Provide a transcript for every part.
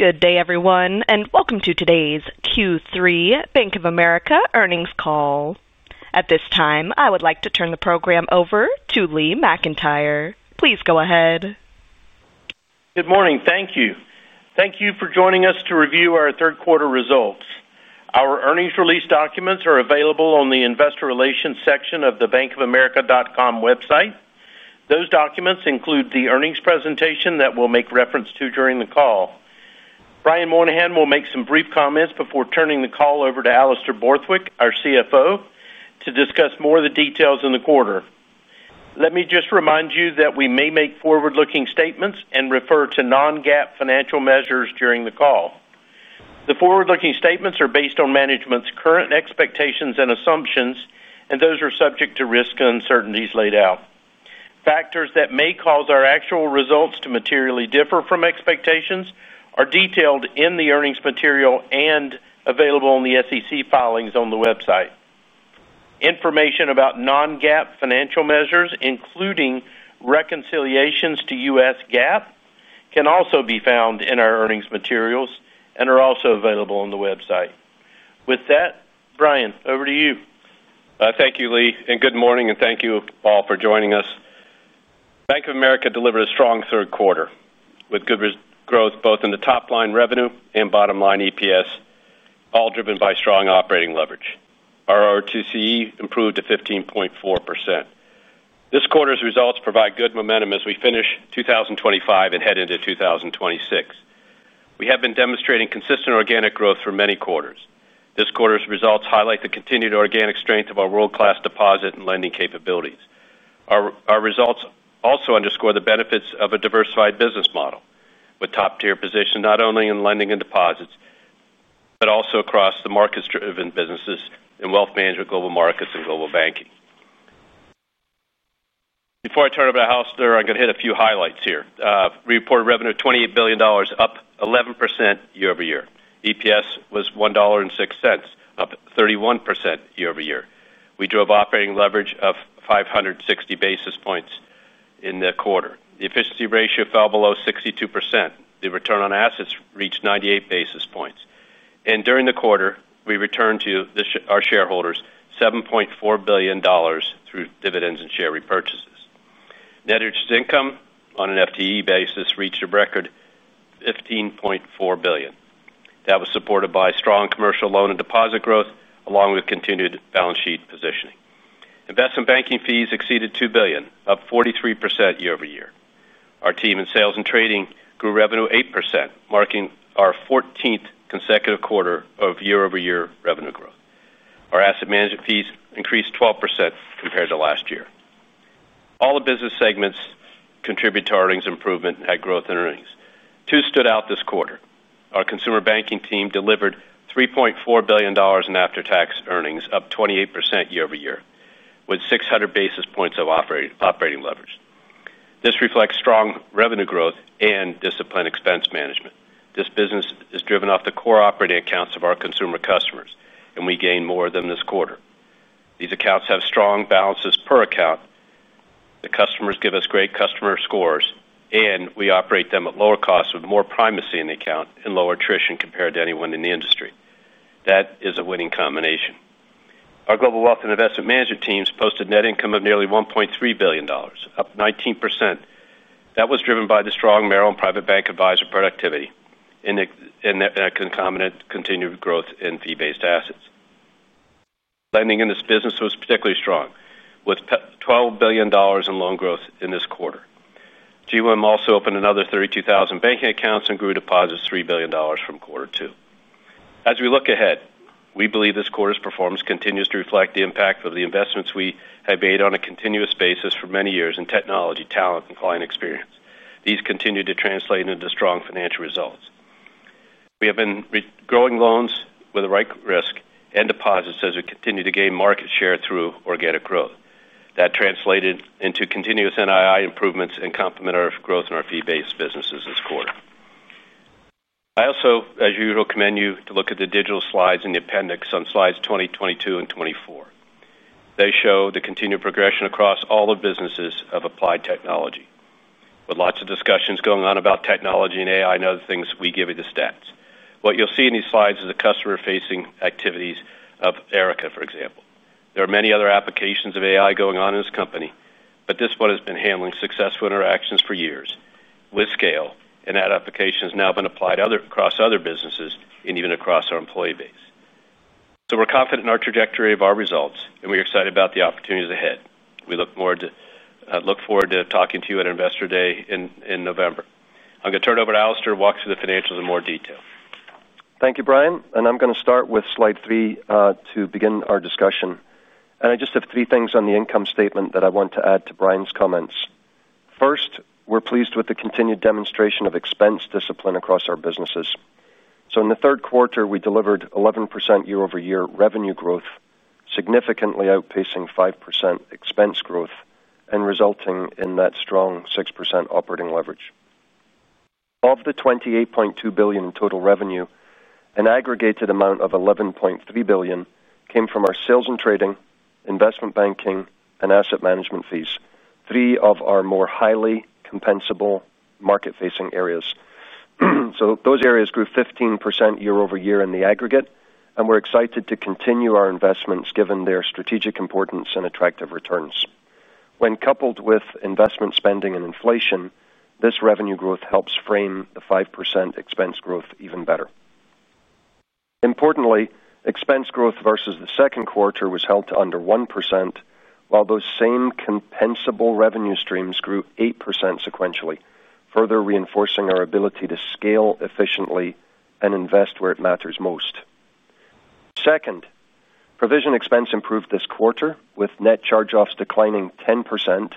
Good day, everyone, and welcome to today's Q3 Bank of America Earnings Call. At this time, I would like to turn the program over to Lee McIntyre. Please go ahead. Good morning. Thank you. Thank you for joining us to review our third-quarter results. Our earnings release documents are available on the Investor Relations section of the bankofamerica.com website. Those documents include the earnings presentation that we'll make reference to during the call. Brian Moynihan will make some brief comments before turning the call over to Alastair Borthwick, our CFO, to discuss more of the details in the quarter. Let me just remind you that we may make forward-looking statements and refer to non-GAAP financial measures during the call. The forward-looking statements are based on management's current expectations and assumptions, and those are subject to risk uncertainties laid out. Factors that may cause our actual results to materially differ from expectations are detailed in the earnings material and available in the SEC filings on the website. Information about non-GAAP financial measures, including reconciliations to U.S. GAAP, can also be found in our earnings materials and are also available on the website. With that, Brian, over to you. Thank you, Lee, and good morning, and thank you all for joining us. Bank of America delivered a strong third quarter with good growth both in the top-line revenue and bottom-line EPS, all driven by strong operating leverage. Our ROTCE improved to 15.4%. This quarter's results provide good momentum as we finish 2025 and head into 2026. We have been demonstrating consistent organic growth for many quarters. This quarter's results highlight the continued organic strength of our world-class deposit and lending capabilities. Our results also underscore the benefits of a diversified business model with top-tier positions not only in lending and deposits but also across the market-driven businesses in wealth management, global markets, and global banking. Before I turn it over to Alastair, I'm going to hit a few highlights here. We reported revenue of $28 billion, up 11% year-over-year. EPS was $1.06, up 31% year-over-year. We drove operating leverage of 560 basis points in the quarter. The efficiency ratio fell below 62%. The return on assets reached 98 basis points. During the quarter, we returned to our shareholders $7.4 billion through dividends and share repurchases. Net interest income on an FTE basis reached a record of $15.4 billion. That was supported by strong commercial loan and deposit growth along with continued balance sheet positioning. Investment banking fees exceeded $2 billion, up 43% year-over-year. Our team in sales and trading grew revenue 8%, marking our 14th consecutive quarter of year-over-year revenue growth. Our asset management fees increased 12% compared to last year. All the business segments contributed to earnings improvement and had growth in earnings. Two stood out this quarter. Our consumer banking team delivered $3.4 billion in after-tax earnings, up 28% year-over-year with 600 basis points of operating leverage. This reflects strong revenue growth and disciplined expense management. This business is driven off the core operating accounts of our consumer customers, and we gained more of them this quarter. These accounts have strong balances per account. The customers give us great customer scores, and we operate them at lower costs with more primacy in the account and lower attrition compared to anyone in the industry. That is a winning combination. Our Global Wealth and Investment Management teams posted net income of nearly $1.3 billion, up 19%. That was driven by the strong Maryland private bank advisor productivity and the concomitant continued growth in fee-based assets. Lending in this business was particularly strong with $12 billion in loan growth in this quarter. G1 also opened another 32,000 banking accounts and grew deposits $3 billion from quarter two. As we look ahead, we believe this quarter's performance continues to reflect the impact of the investments we have made on a continuous basis for many years in technology, talent, and client experience. These continue to translate into strong financial results. We have been growing loans with the right risk and deposits as we continue to gain market share through organic growth. That translated into continuous NII improvements and complementary growth in our fee-based businesses this quarter. I also, as usual, commend you to look at the digital slides in the appendix on slides 20, 22, and 24. They show the continued progression across all the businesses of applied technology. With lots of discussions going on about technology and AI and other things, we give you the stats. What you'll see in these slides is the customer-facing activities of Erika, for example. There are many other applications of AI going on in this company, but this one has been handling successful interactions for years with scale, and that application has now been applied across other businesses and even across our employee base. We're confident in our trajectory of our results, and we're excited about the opportunities ahead. We look forward to, I look forward to talking to you at Investor Day in November. I'm going to turn it over to Alastair to walk through the financials in more detail. Thank you, Brian. I'm going to start with slide three to begin our discussion. I just have three things on the income statement that I want to add to Brian's comments. First, we're pleased with the continued demonstration of expense discipline across our businesses. In the third quarter, we delivered 11% year-over-year revenue growth, significantly outpacing 5% expense growth and resulting in that strong 6% operating leverage. Of the $28.2 billion in total revenue, an aggregated amount of $11.3 billion came from our sales and trading, investment banking, and asset management fees, three of our more highly compensable market-facing areas. Those areas grew 15% year-over-year in the aggregate, and we're excited to continue our investments given their strategic importance and attractive returns. When coupled with investment spending and inflation, this revenue growth helps frame the 5% expense growth even better. Importantly, expense growth versus the second quarter was held to under 1%, while those same compensable revenue streams grew 8% sequentially, further reinforcing our ability to scale efficiently and invest where it matters most. Second, provision expense improved this quarter with net charge-offs declining 10%,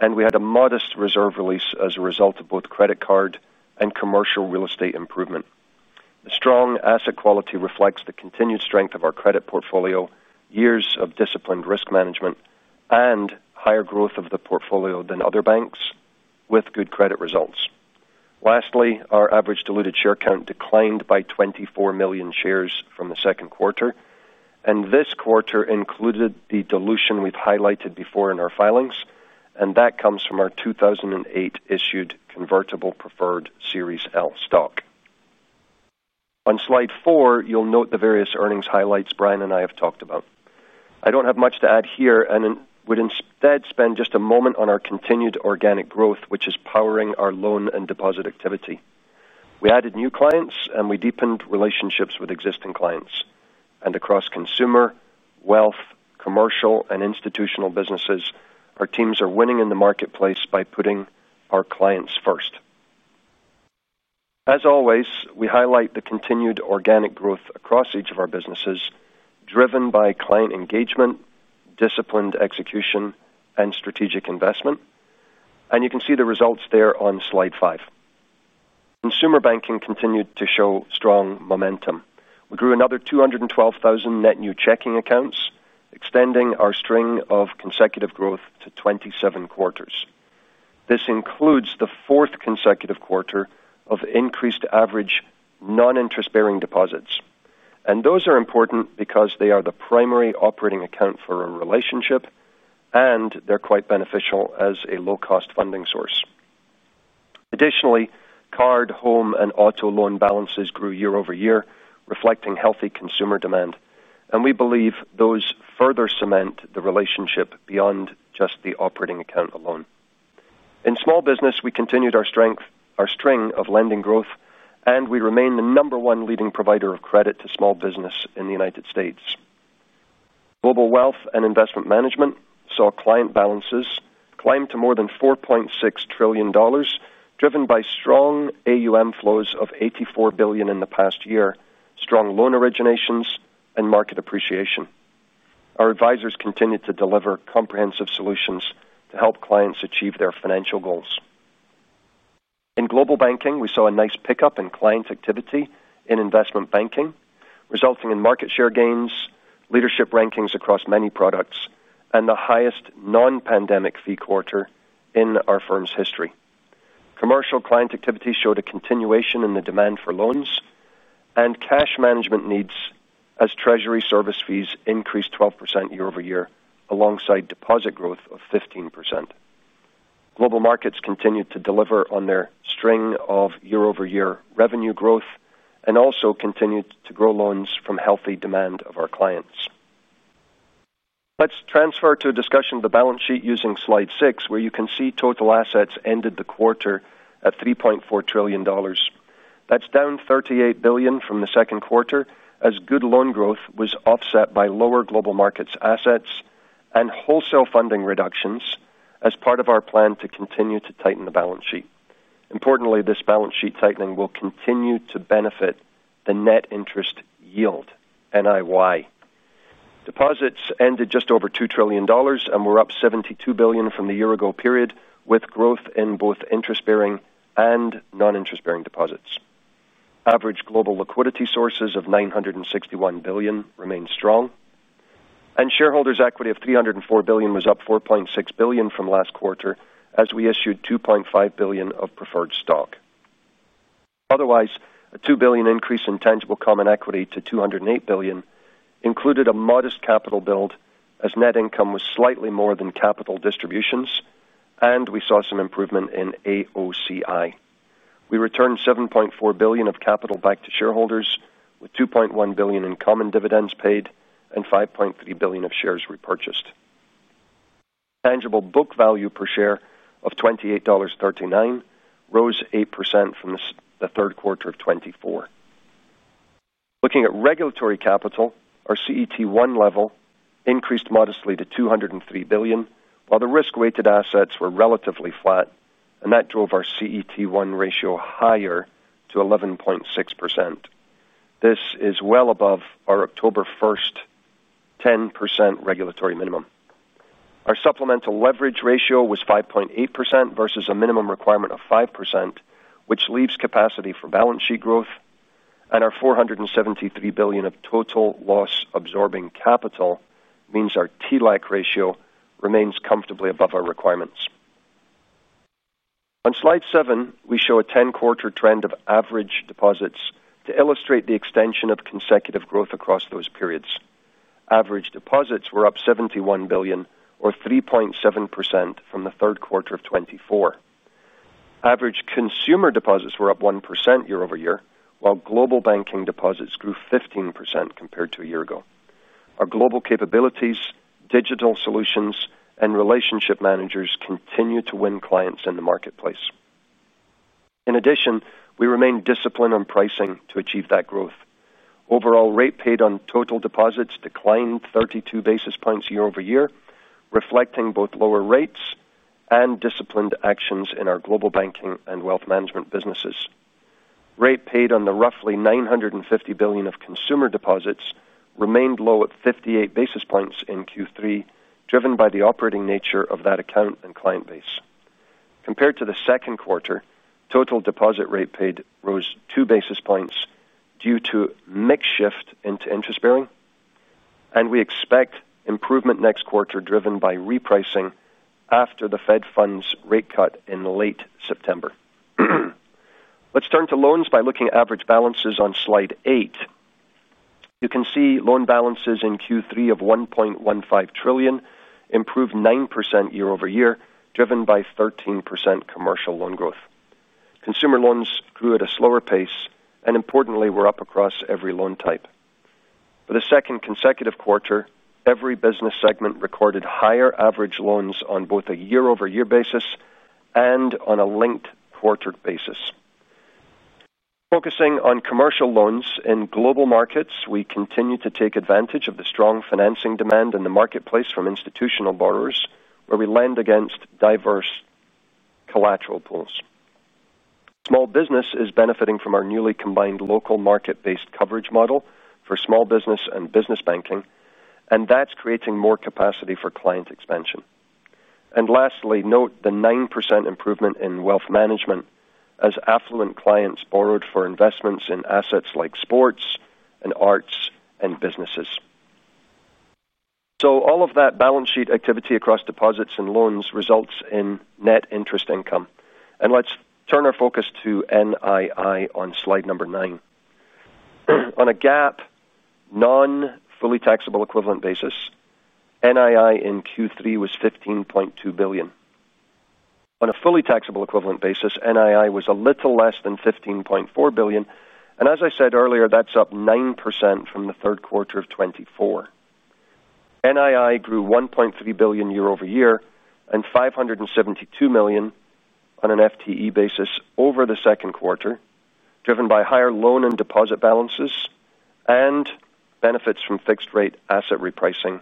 and we had a modest reserve release as a result of both credit card and commercial real estate improvement. The strong asset quality reflects the continued strength of our credit portfolio, years of disciplined risk management, and higher growth of the portfolio than other banks with good credit results. Lastly, our average diluted share count declined by 24 million shares from the second quarter, and this quarter included the dilution we've highlighted before in our filings, and that comes from our 2008-issued convertible preferred Series L stock. On slide four, you'll note the various earnings highlights Brian and I have talked about. I don't have much to add here and would instead spend just a moment on our continued organic growth, which is powering our loan and deposit activity. We added new clients, and we deepened relationships with existing clients. Across consumer, wealth, commercial, and institutional businesses, our teams are winning in the marketplace by putting our clients first. As always, we highlight the continued organic growth across each of our businesses, driven by client engagement, disciplined execution, and strategic investment. You can see the results there on slide five. Consumer Banking continued to show strong momentum. We grew another 212,000 net new checking accounts, extending our string of consecutive growth to 27 quarters. This includes the fourth consecutive quarter of increased average non-interest-bearing deposits. Those are important because they are the primary operating account for a relationship, and they're quite beneficial as a low-cost funding source. Additionally, card, home, and auto loan balances grew year-over-year, reflecting healthy consumer demand. We believe those further cement the relationship beyond just the operating account alone. In Small Business, we continued our string of lending growth, and we remain the number one leading provider of credit to small business in the United States. Global Wealth and Investment Management saw client balances climb to more than $4.6 trillion, driven by strong AUM flows of $84 billion in the past year, strong loan originations, and market appreciation. Our advisors continue to deliver comprehensive solutions to help clients achieve their financial goals. In Global Banking, we saw a nice pickup in client activity in investment banking, resulting in market share gains, leadership rankings across many products, and the highest non-pandemic fee quarter in our firm's history. Commercial client activity showed a continuation in the demand for loans and cash management needs as Treasury service fees increased 12% year-over-year alongside deposit growth of 15%. Global Markets continued to deliver on their string of year-over-year revenue growth and also continued to grow loans from healthy demand of our clients. Let's transfer to a discussion of the balance sheet using slide six, where you can see total assets ended the quarter at $3.4 trillion. That's down $38 billion from the second quarter as good loan growth was offset by lower Global Markets assets and wholesale funding reductions as part of our plan to continue to tighten the balance sheet. Importantly, this balance sheet tightening will continue to benefit the net interest yield, NII. Deposits ended just over $2 trillion, and were up $72 billion from the year-ago period with growth in both interest-bearing and non-interest-bearing deposits. Average global liquidity sources of $961 billion remain strong, and shareholders' equity of $304 billion was up $4.6 billion from last quarter as we issued $2.5 billion of preferred stock. Otherwise, a $2 billion increase in tangible common equity to $208 billion included a modest capital build as net income was slightly more than capital distributions, and we saw some improvement in AOCI. We returned $7.4 billion of capital back to shareholders with $2.1 billion in common dividends paid and $5.3 billion of shares repurchased. Tangible book value per share of $28.39 rose 8% from the third quarter of 2024. Looking at regulatory capital, our CET1 level increased modestly to $203 billion, while the risk-weighted assets were relatively flat, and that drove our CET1 ratio higher to 11.6%. This is well above our October 1st 10% regulatory minimum. Our supplemental leverage ratio was 5.8% versus a minimum requirement of 5%, which leaves capacity for balance sheet growth, and our $473 billion of total loss-absorbing capital means our TLAC ratio remains comfortably above our requirements. On slide seven, we show a 10-quarter trend of average deposits to illustrate the extension of consecutive growth across those periods. Average deposits were up $71 billion or 3.7% from the third quarter of 2024. Average consumer deposits were up 1% year-over-year, while global banking deposits grew 15% compared to a year ago. Our global capabilities, digital solutions, and relationship managers continue to win clients in the marketplace. In addition, we remain disciplined on pricing to achieve that growth. Overall, rate paid on total deposits declined 32 basis points year-over-year, reflecting both lower rates and disciplined actions in our global banking and wealth management businesses. Rate paid on the roughly $950 billion of consumer deposits remained low at 58 basis points in Q3, driven by the operating nature of that account and client base. Compared to the second quarter, total deposit rate paid rose two basis points due to makeshift into interest-bearing, and we expect improvement next quarter driven by repricing after the Fed funds rate cut in late September. Let's turn to loans by looking at average balances on slide eight. You can see loan balances in Q3 of $1.15 trillion improved 9% year-over-year, driven by 13% commercial loan growth. Consumer loans grew at a slower pace and, importantly, were up across every loan type. For the second consecutive quarter, every business segment recorded higher average loans on both a year-over-year basis and on a linked quarter basis. Focusing on commercial loans in Global Markets, we continue to take advantage of the strong financing demand in the marketplace from institutional borrowers, where we lend against diverse collateral pools. Small business is benefiting from our newly combined local market-based coverage model for Small Business and Business Banking, and that's creating more capacity for client expansion. Lastly, note the 9% improvement in Wealth Management as affluent clients borrowed for investments in assets like sports and arts and businesses. All of that balance sheet activity across deposits and loans results in net interest income. Let's turn our focus to NII on slide number nine. On a GAAP non-fully taxable equivalent basis, NII in Q3 was $15.2 billion. On a fully taxable equivalent basis, NII was a little less than $15.4 billion. As I said earlier, that's up 9% from the third quarter of 2024. NII grew $1.3 billion year-over-year and $572 million on an FTE basis over the second quarter, driven by higher loan and deposit balances and benefits from fixed-rate asset repricing.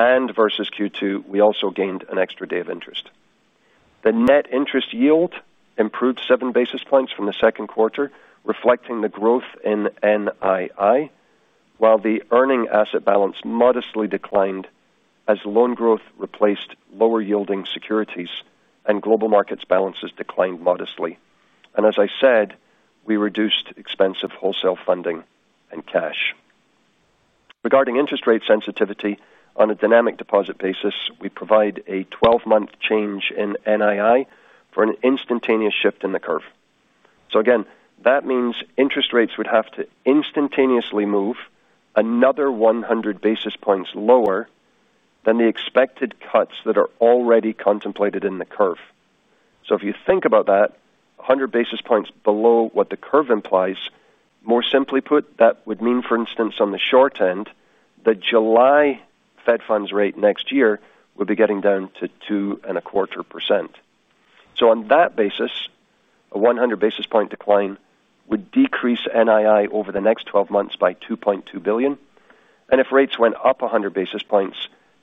Versus Q2, we also gained an extra day of interest. The net interest yield improved seven basis points from the second quarter, reflecting the growth in NII, while the earning asset balance modestly declined as loan growth replaced lower-yielding securities and Global Markets balances declined modestly. As I said, we reduced expense of wholesale funding and cash. Regarding interest rate sensitivity, on a dynamic deposit basis, we provide a 12-month change in NII for an instantaneous shift in the curve. That means interest rates would have to instantaneously move another 100 basis points lower than the expected cuts that are already contemplated in the curve. If you think about that, 100 basis points below what the curve implies, more simply put, that would mean, for instance, on the short end, the July Fed funds rate next year would be getting down to 2.25%. On that basis, a 100 basis point decline would decrease NII over the next 12 months by $2.2 billion. If rates went up 100 basis points,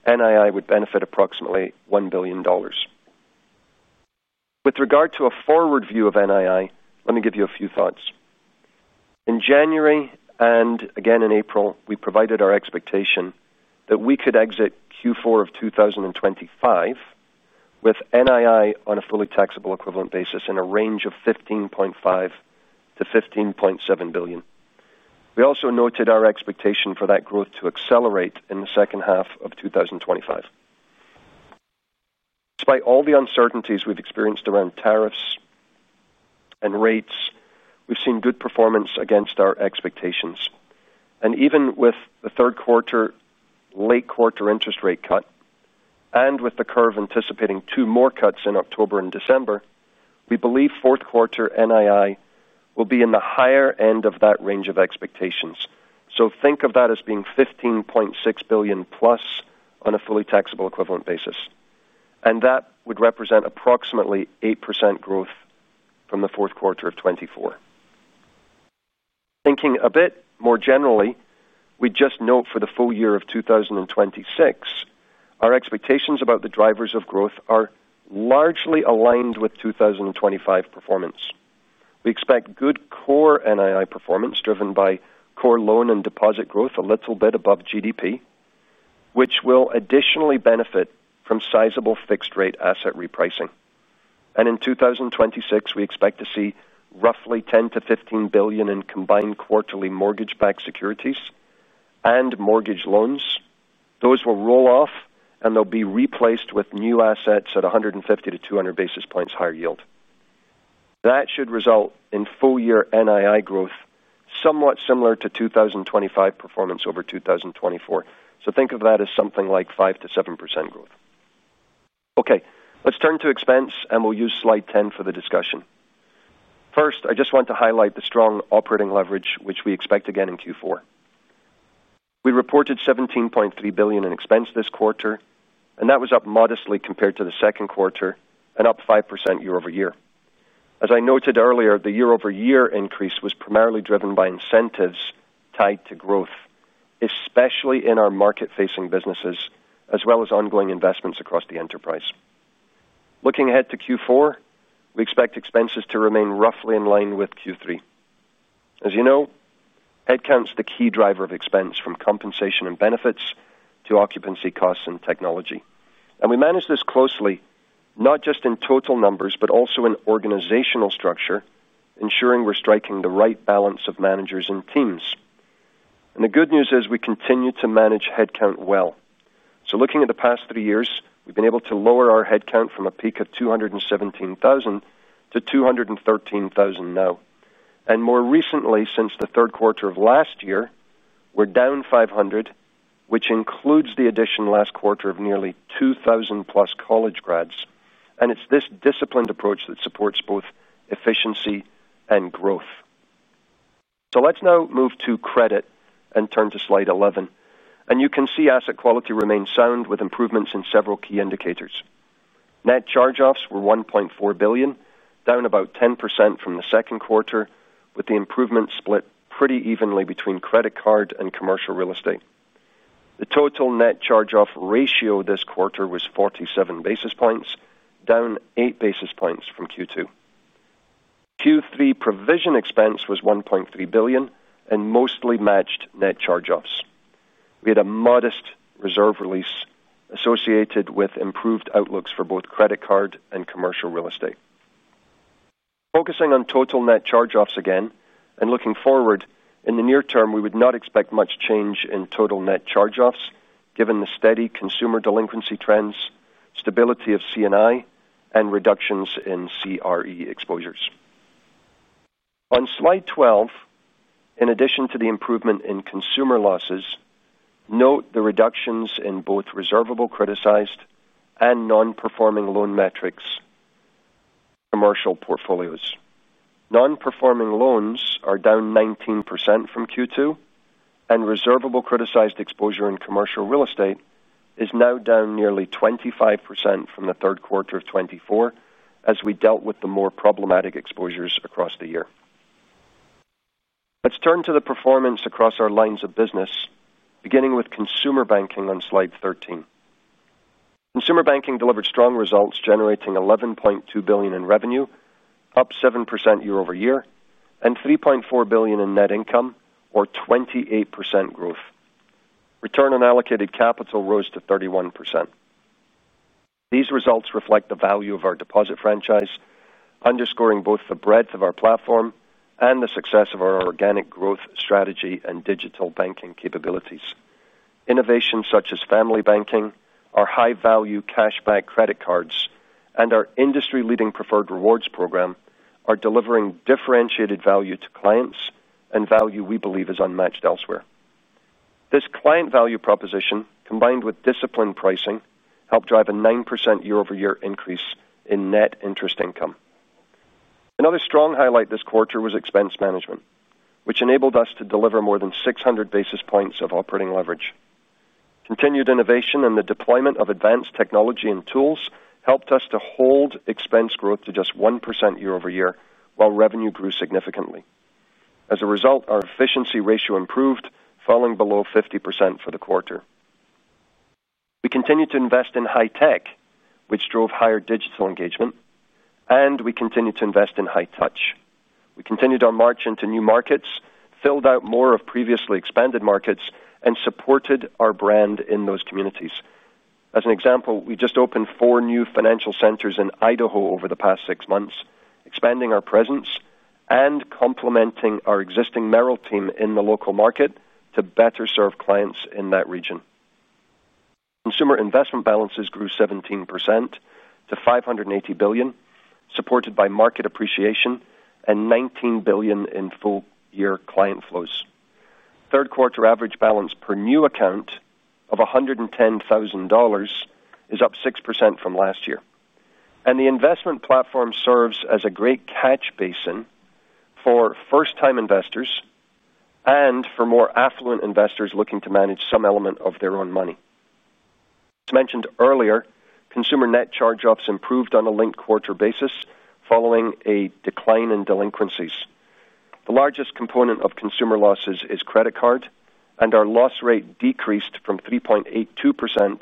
NII would benefit approximately $1 billion. With regard to a forward view of NII, let me give you a few thoughts. In January and again in April, we provided our expectation that we could exit Q4 of 2025 with NII on a fully taxable equivalent basis in a range of $15.5 billion-$15.7 billion. We also noted our expectation for that growth to accelerate in the second half of 2025. Despite all the uncertainties we've experienced around tariffs and rates, we've seen good performance against our expectations. Even with the third quarter late quarter interest rate cut and with the curve anticipating two more cuts in October and December, we believe fourth quarter NII will be in the higher end of that range of expectations. Think of that as being $15.6 billion plus on a fully taxable equivalent basis. That would represent approximately 8% growth from the fourth quarter of 2024. Thinking a bit more generally, we just note for the full year of 2026, our expectations about the drivers of growth are largely aligned with 2025 performance. We expect good core NII performance driven by core loan and deposit growth a little bit above GDP, which will additionally benefit from sizable fixed-rate asset repricing. In 2026, we expect to see roughly $10 billion-$15 billion in combined quarterly mortgage-backed securities and mortgage loans. Those will roll off, and they'll be replaced with new assets at 150 to 200 basis points higher yield. That should result in full-year NII growth somewhat similar to 2025 performance over 2024. Think of that as something like 5%-7% growth. Let's turn to expense, and we'll use slide 10 for the discussion. First, I just want to highlight the strong operating leverage, which we expect again in Q4. We reported $17.3 billion in expense this quarter, and that was up modestly compared to the second quarter and up 5% year-over-year. As I noted earlier, the year-over-year increase was primarily driven by incentives tied to growth, especially in our market-facing businesses as well as ongoing investments across the enterprise. Looking ahead to Q4, we expect expenses to remain roughly in line with Q3. As you know, headcount's the key driver of expense from compensation and benefits to occupancy costs and technology. We manage this closely, not just in total numbers but also in organizational structure, ensuring we're striking the right balance of managers and teams. The good news is we continue to manage headcount well. Looking at the past three years, we've been able to lower our headcount from a peak of 217,000 to 213,000 now. More recently, since the third quarter of last year, we're down 500, which includes the addition last quarter of nearly 2,000+ college grads. It is this disciplined approach that supports both efficiency and growth. Let's now move to credit and turn to slide 11. You can see asset quality remains sound with improvements in several key indicators. Net charge-offs were $1.4 billion, down about 10% from the second quarter, with the improvements split pretty evenly between credit card and commercial real estate. The total net charge-off ratio this quarter was 47 basis points, down 8 basis points from Q2. Q3 provision expense was $1.3 billion and mostly matched net charge-offs. We had a modest reserve release associated with improved outlooks for both credit card and commercial real estate. Focusing on total net charge-offs again and looking forward, in the near term, we would not expect much change in total net charge-offs given the steady consumer delinquency trends, stability of CNI, and reductions in CRE exposures. On slide 12, in addition to the improvement in consumer losses, note the reductions in both reservable criticized and non-performing loan metrics commercial portfolios. Non-performing loans are down 19% from Q2, and reservable criticized exposure in commercial real estate is now down nearly 25% from the third quarter of 2024, as we dealt with the more problematic exposures across the year. Let's turn to the performance across our lines of business, beginning with Consumer Banking on slide 13. Consumer Banking delivered strong results, generating $11.2 billion in revenue, up 7% year-over-year, and $3.4 billion in net income, or 28% growth. Return on allocated capital rose to 31%. These results reflect the value of our deposit franchise, underscoring both the breadth of our platform and the success of our organic growth strategy and digital banking capabilities. Innovations such as Family Banking, our high-value cash-back credit cards, and our industry-leading Preferred Rewards program are delivering differentiated value to clients and value we believe is unmatched elsewhere. This client value proposition, combined with disciplined pricing, helped drive a 9% year-over-year increase in net interest income. Another strong highlight this quarter was expense management, which enabled us to deliver more than 600 basis points of operating leverage. Continued innovation and the deployment of advanced technology and tools helped us to hold expense growth to just 1% year-over-year while revenue grew significantly. As a result, our efficiency ratio improved, falling below 50% for the quarter. We continue to invest in high tech, which drove higher digital engagement, and we continue to invest in high touch. We continued our march into new markets, filled out more of previously expanded markets, and supported our brand in those communities. For example, we just opened four new financial centers in Idaho over the past six months, expanding our presence and complementing our existing Merrill team in the local market to better serve clients in that region. Consumer investment balances grew 17% to $580 billion, supported by market appreciation and $19 billion in full-year client flows. Third quarter average balance per new account of $110,000 is up 6% from last year. The investment platform serves as a great catch basin for first-time investors and for more affluent investors looking to manage some element of their own money. As mentioned earlier, consumer net charge-offs improved on a linked quarter basis following a decline in delinquencies. The largest component of consumer losses is credit card, and our loss rate decreased from 3.82%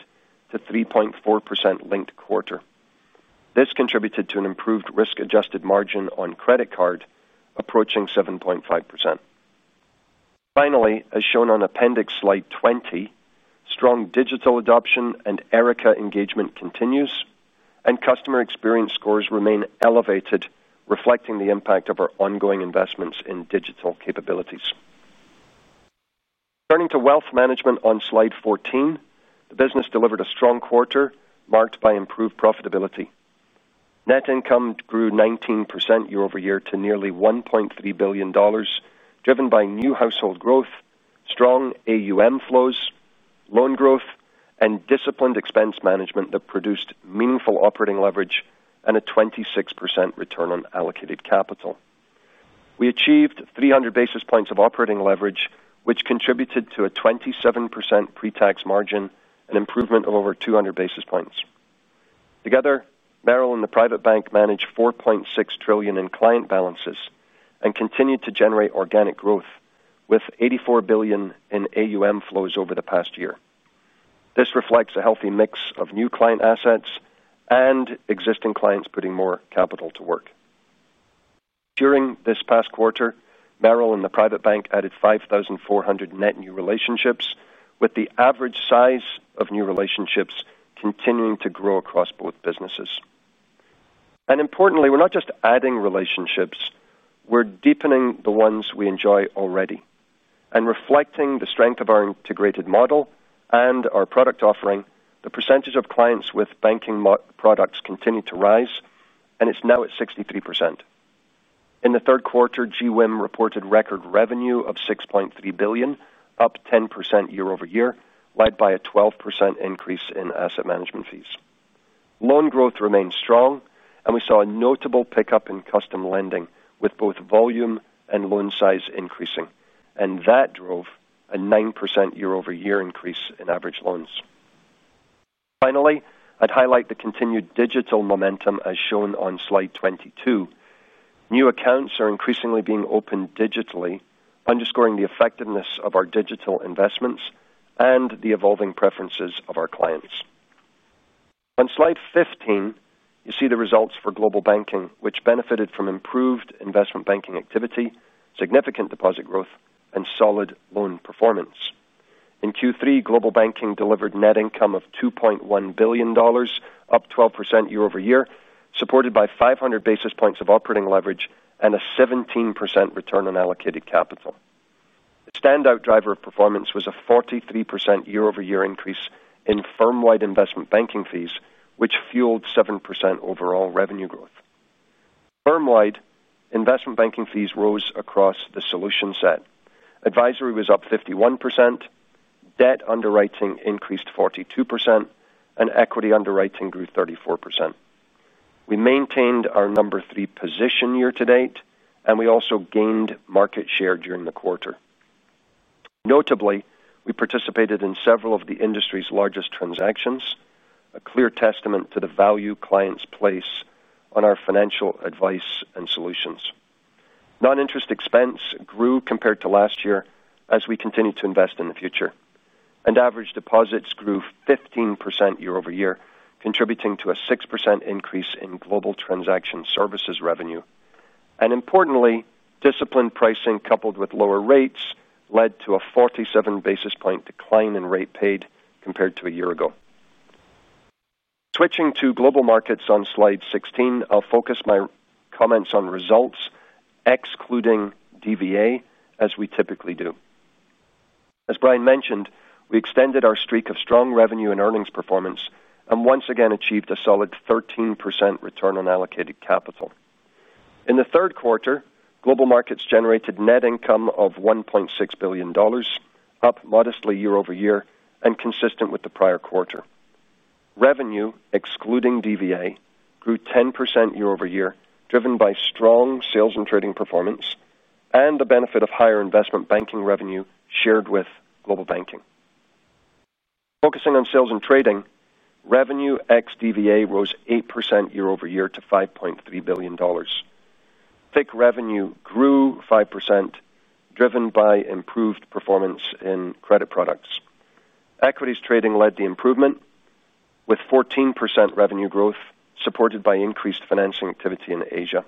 to 3.4% linked quarter. This contributed to an improved risk-adjusted margin on credit card, approaching 7.5%. Finally, as shown on appendix slide 20, strong digital adoption and Erika engagement continues, and customer experience scores remain elevated, reflecting the impact of our ongoing investments in digital capabilities. Turning to wealth management on slide 14, the business delivered a strong quarter marked by improved profitability. Net income grew 19% year-over-year to nearly $1.3 billion, driven by new household growth, strong AUM flows, loan growth, and disciplined expense management that produced meaningful operating leverage and a 26% return on allocated capital. We achieved 300 basis points of operating leverage, which contributed to a 27% pre-tax margin and improvement of over 200 basis points. Together, Merrill and the private bank managed $4.6 trillion in client balances and continued to generate organic growth with $84 billion in AUM flows over the past year. This reflects a healthy mix of new client assets and existing clients putting more capital to work. During this past quarter, Merrill and the private bank added 5,400 net new relationships, with the average size of new relationships continuing to grow across both businesses. Importantly, we're not just adding relationships. We're deepening the ones we enjoy already. Reflecting the strength of our integrated model and our product offering, the percentage of clients with banking products continued to rise, and it's now at 63%. In the third quarter, Global Wealth and Investment Management reported record revenue of $6.3 billion, up 10% year-over-year, led by a 12% increase in asset management fees. Loan growth remains strong, and we saw a notable pickup in custom lending with both volume and loan size increasing. That drove a 9% year-over-year increase in average loans. Finally, I'd highlight the continued digital momentum as shown on slide 22. New accounts are increasingly being opened digitally, underscoring the effectiveness of our digital investments and the evolving preferences of our clients. On slide 15, you see the results for global banking, which benefited from improved investment banking activity, significant deposit growth, and solid loan performance. In Q3, global banking delivered net income of $2.1 billion, up 12% year-over-year, supported by 500 basis points of operating leverage and a 17% return on allocated capital. The standout driver of performance was a 43% year-over-year increase in firm-wide investment banking fees, which fueled 7% overall revenue growth. Firm-wide, investment banking fees rose across the solution set. Advisory was up 51%, debt underwriting increased 42%, and equity underwriting grew 34%. We maintained our number three position year to date, and we also gained market share during the quarter. Notably, we participated in several of the industry's largest transactions, a clear testament to the value clients place on our financial advice and solutions. Non-interest expense grew compared to last year as we continued to invest in the future. Average deposits grew 15% year-over-year, contributing to a 6% increase in global transaction services revenue. Importantly, disciplined pricing coupled with lower rates led to a 47 basis point decline in rate paid compared to a year ago. Switching to global markets on slide 16, I'll focus my comments on results, excluding DVA, as we typically do. As Brian mentioned, we extended our streak of strong revenue and earnings performance and once again achieved a solid 13% return on allocated capital. In the third quarter, global markets generated net income of $1.6 billion, up modestly year-over-year and consistent with the prior quarter. Revenue, excluding DVA, grew 10% year-over-year, driven by strong sales and trading performance and the benefit of higher investment banking revenue shared with Global Banking. Focusing on sales and trading, revenue ex-DVA rose 8% year-over-year to $5.3 billion. Fixed revenue grew 5%, driven by improved performance in credit products. Equities trading led the improvement with 14% revenue growth, supported by increased financing activity in Asia.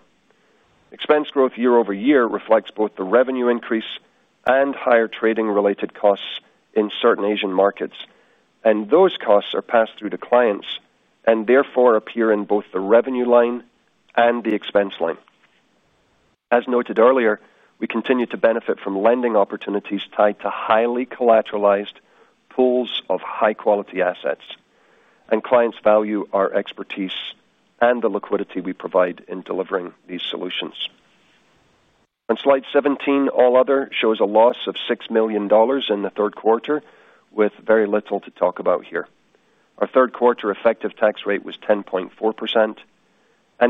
Expense growth year-over-year reflects both the revenue increase and higher trading-related costs in certain Asian markets. Those costs are passed through to clients and therefore appear in both the revenue line and the expense line. As noted earlier, we continue to benefit from lending opportunities tied to highly collateralized pools of high-quality assets. Clients value our expertise and the liquidity we provide in delivering these solutions. On slide 17, all other shows a loss of $6 million in the third quarter, with very little to talk about here. Our third quarter effective tax rate was 10.4%.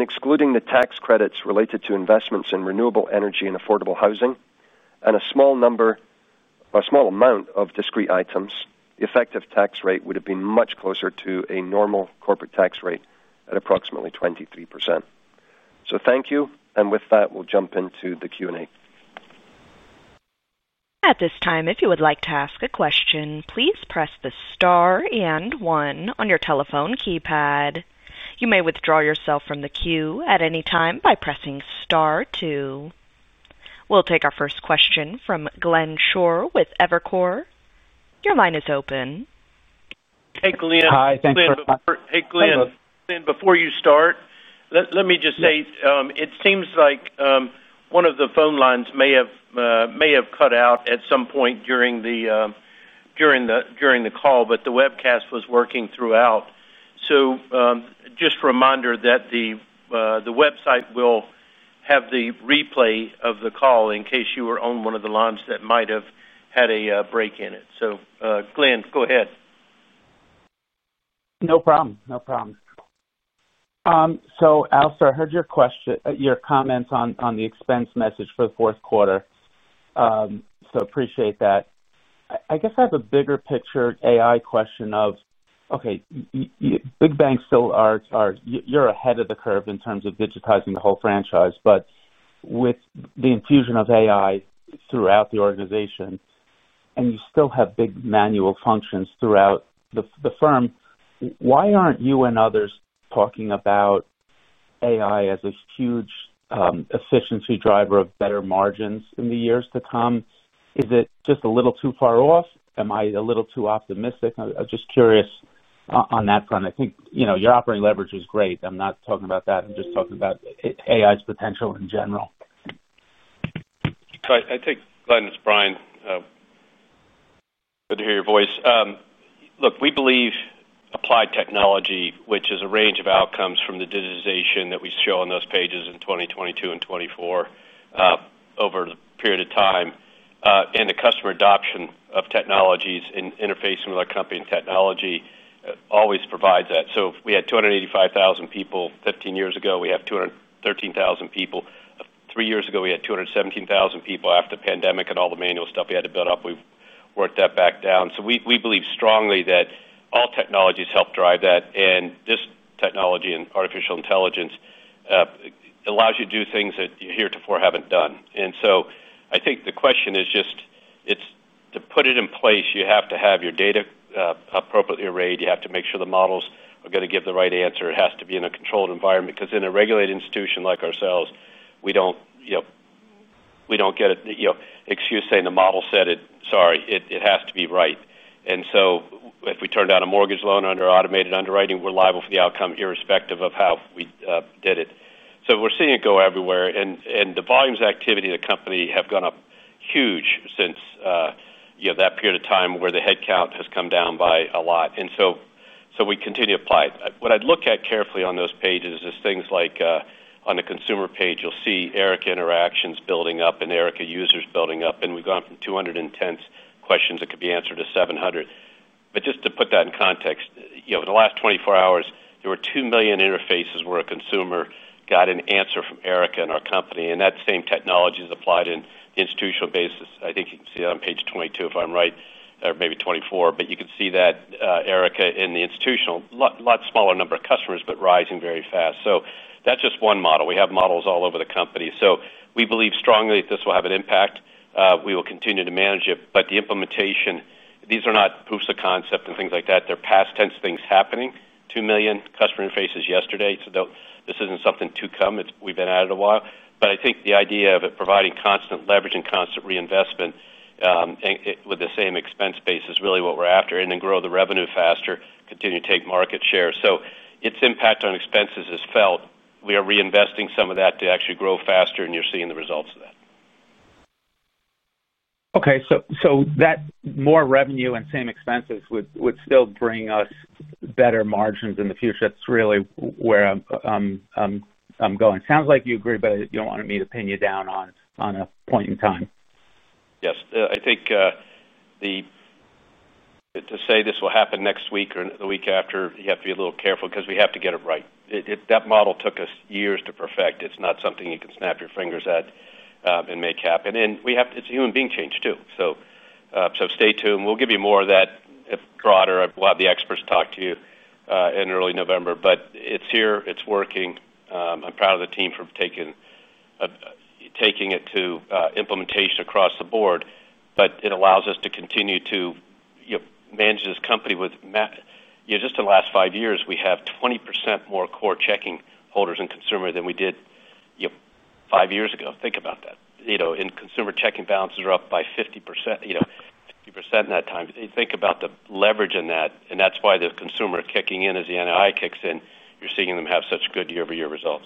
Excluding the tax credits related to investments in renewable energy and affordable housing and a small amount of discrete items, the effective tax rate would have been much closer to a normal corporate tax rate at approximately 23%. Thank you. With that, we'll jump into the Q&A. At this time, if you would like to ask a question, please press the star and one on your telephone keypad. You may withdraw yourself from the queue at any time by pressing star two. We'll take our first question from Glenn Schorr with Evercore. Your line is open. Hey, Glenn. Hi, thanks. Hey, Glenn. Hello. Glenn, before you start, let me just say it seems like one of the phone lines may have cut out at some point during the call, but the webcast was working throughout. Just a reminder that the website will have the replay of the call in case you were on one of the lines that might have had a break in it. Glen, go ahead. No problem, no problem. Alastair, I heard your question, your comments on the expense message for the fourth quarter. I appreciate that. I guess I have a bigger picture AI question of, okay, you big banks still are, you're ahead of the curve in terms of digitizing the whole franchise, but with the infusion of AI throughout the organization, and you still have big manual functions throughout the firm, why aren't you and others talking about AI as a huge efficiency driver of better margins in the years to come? Is it just a little too far off? Am I a little too optimistic? I'm just curious on that front. I think your operating leverage is great. I'm not talking about that. I'm just talking about AI's potential in general. I think, Glen, it's Brian. Good to hear your voice. We believe applied technology, which is a range of outcomes from the digitization that we show on those pages in 2022 and 2024, over the period of time, and the customer adoption of technologies in interfacing with our company and technology, always provides that. If we had 285,000 people 15 years ago, we have 213,000 people. Three years ago, we had 217,000 people after the pandemic and all the manual stuff we had to build up. We've worked that back down. We believe strongly that all technologies help drive that. This technology and artificial intelligence allow you to do things that you heretofore haven't done. I think the question is just, to put it in place, you have to have your data appropriately arrayed. You have to make sure the models are going to give the right answer. It has to be in a controlled environment because in a regulated institution like ourselves, we don't get an excuse saying the model said it. Sorry. It has to be right. If we turned down a mortgage loan under automated underwriting, we're liable for the outcome irrespective of how we did it. We're seeing it go everywhere, and the volumes of activity in the company have gone up huge since that period of time where the headcount has come down by a lot. We continue to apply it. What I'd look at carefully on those pages is things like, on the consumer page, you'll see Erika interactions building up and Erika users building up. We've gone from 210 questions that could be answered to 700. Just to put that in context, in the last 24 hours, there were 2 million interfaces where a consumer got an answer from Erika in our company. That same technology is applied in the institutional basis. I think you can see that on page 22 if I'm right, or maybe 24. You can see that Erika in the institutional, a lot smaller number of customers but rising very fast. That's just one model. We have models all over the company. We believe strongly that this will have an impact. We will continue to manage it. The implementation, these are not proofs of concept and things like that. They're past tense things happening. 2 million customer interfaces yesterday. This isn't something to come. We've been at it a while. I think the idea of it providing constant leverage and constant reinvestment, and with the same expense base is really what we're after. Then grow the revenue faster, continue to take market share. Its impact on expenses is felt. We are reinvesting some of that to actually grow faster, and you're seeing the results of that. Okay. That more revenue and same expenses would still bring us better margins in the future. That's really where I'm going. Sounds like you agree, but you don't want me to pin you down on a point in time. Yes. I think, to say this will happen next week or the week after, you have to be a little careful because we have to get it right. That model took us years to perfect. It's not something you can snap your fingers at and make happen. It's a human being change too. Stay tuned. We'll give you more of that broader. I've allowed the experts to talk to you in early November. It's here. It's working. I'm proud of the team for taking it to implementation across the board. It allows us to continue to manage this company with, you know, just in the last five years, we have 20% more core checking holders and consumers than we did five years ago. Think about that. In consumer checking, balances are up by 50% in that time. Think about the leverage in that. That's why the consumer kicking in as the NII kicks in. You're seeing them have such good year-over-year results.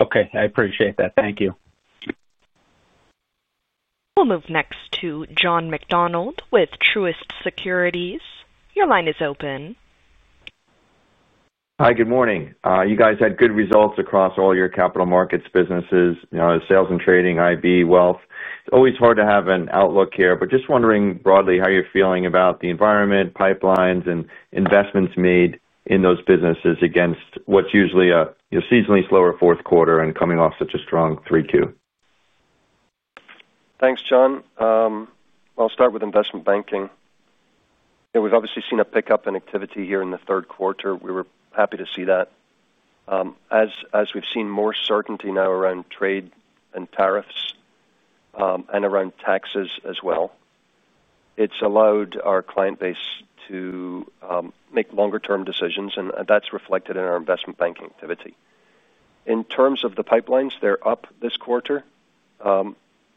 Okay, I appreciate that. Thank you. We'll move next to John McDonald with Truist Securities. Your line is open. Hi, good morning. You guys had good results across all your capital markets businesses, you know, sales and trading, IB, wealth. It's always hard to have an outlook here, but just wondering broadly how you're feeling about the environment, pipelines, and investments made in those businesses against what's usually a, you know, seasonally slower fourth quarter and coming off such a strong Q3, Q2. Thanks, John. I'll start with investment banking. We've obviously seen a pickup in activity here in the third quarter. We were happy to see that. As we've seen more certainty now around trade and tariffs, and around taxes as well, it's allowed our client base to make longer-term decisions, and that's reflected in our investment banking activity. In terms of the pipelines, they're up this quarter,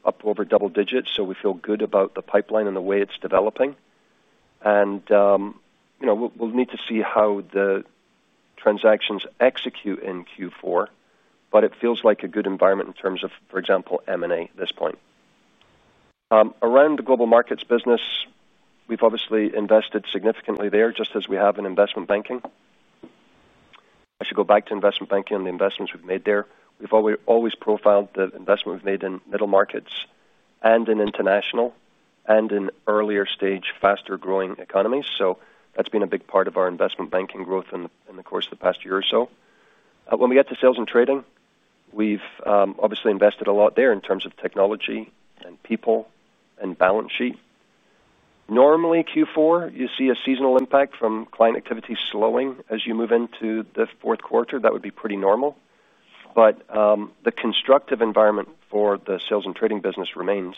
up over double digits. We feel good about the pipeline and the way it's developing. We'll need to see how the transactions execute in Q4, but it feels like a good environment in terms of, for example, M&A at this point. Around the global markets business, we've obviously invested significantly there, just as we have in investment banking. I should go back to investment banking and the investments we've made there. We've always profiled the investment we've made in middle markets and in international and in earlier stage, faster growing economies. That's been a big part of our investment banking growth in the course of the past year or so. When we get to sales and trading, we've invested a lot there in terms of technology and people and balance sheet. Normally, Q4, you see a seasonal impact from client activity slowing as you move into the fourth quarter. That would be pretty normal. The constructive environment for the sales and trading business remains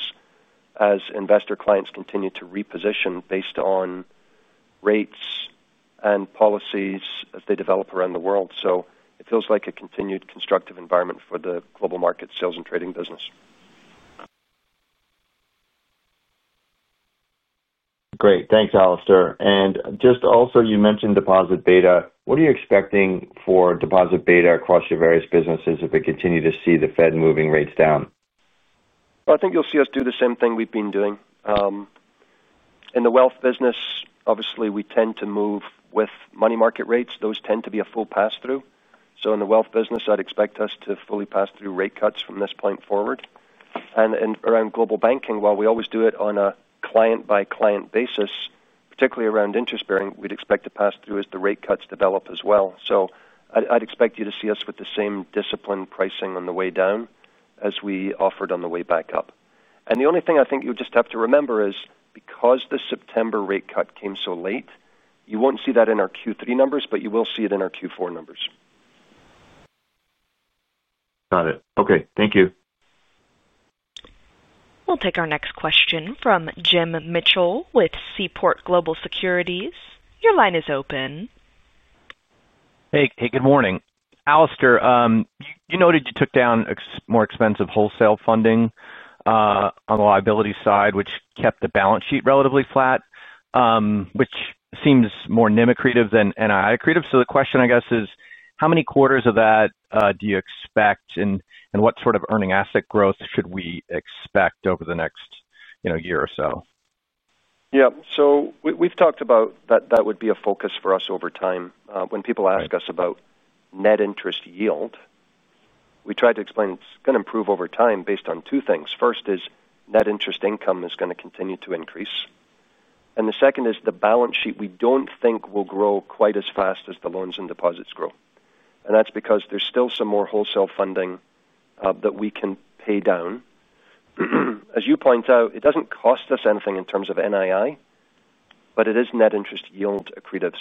as investor clients continue to reposition based on rates and policies as they develop around the world. It feels like a continued constructive environment for the global market sales and trading business. Great. Thanks, Alastair. You mentioned deposit beta. What are you expecting for deposit beta across your various businesses if we continue to see the Fed moving rates down? I think you'll see us do the same thing we've been doing. In the wealth business, obviously, we tend to move with money market rates. Those tend to be a full pass-through. In the wealth business, I'd expect us to fully pass through rate cuts from this point forward. Around global banking, while we always do it on a client-by-client basis, particularly around interest bearing, we'd expect to pass through as the rate cuts develop as well. I'd expect you to see us with the same discipline pricing on the way down as we offered on the way back up. The only thing I think you would just have to remember is because the September rate cut came so late, you won't see that in our Q3 numbers, but you will see it in our Q4 numbers. Got it. Okay. Thank you. We'll take our next question from Jim Mitchell with Seaport Global Securities. Your line is open. Good morning. Alastair, you noted you took down more expensive wholesale funding on the liability side, which kept the balance sheet relatively flat, which seems more NIM accretive than NII accretive. The question, I guess, is how many quarters of that do you expect, and what sort of earning asset growth should we expect over the next year or so? Yeah. We've talked about that being a focus for us over time. When people ask us about net interest yield, we try to explain it's going to improve over time based on two things. First is net interest income is going to continue to increase. The second is the balance sheet we don't think will grow quite as fast as the loans and deposits grow. That's because there's still some more wholesale funding that we can pay down. As you point out, it doesn't cost us anything in terms of NII, but it is net interest yield accretive.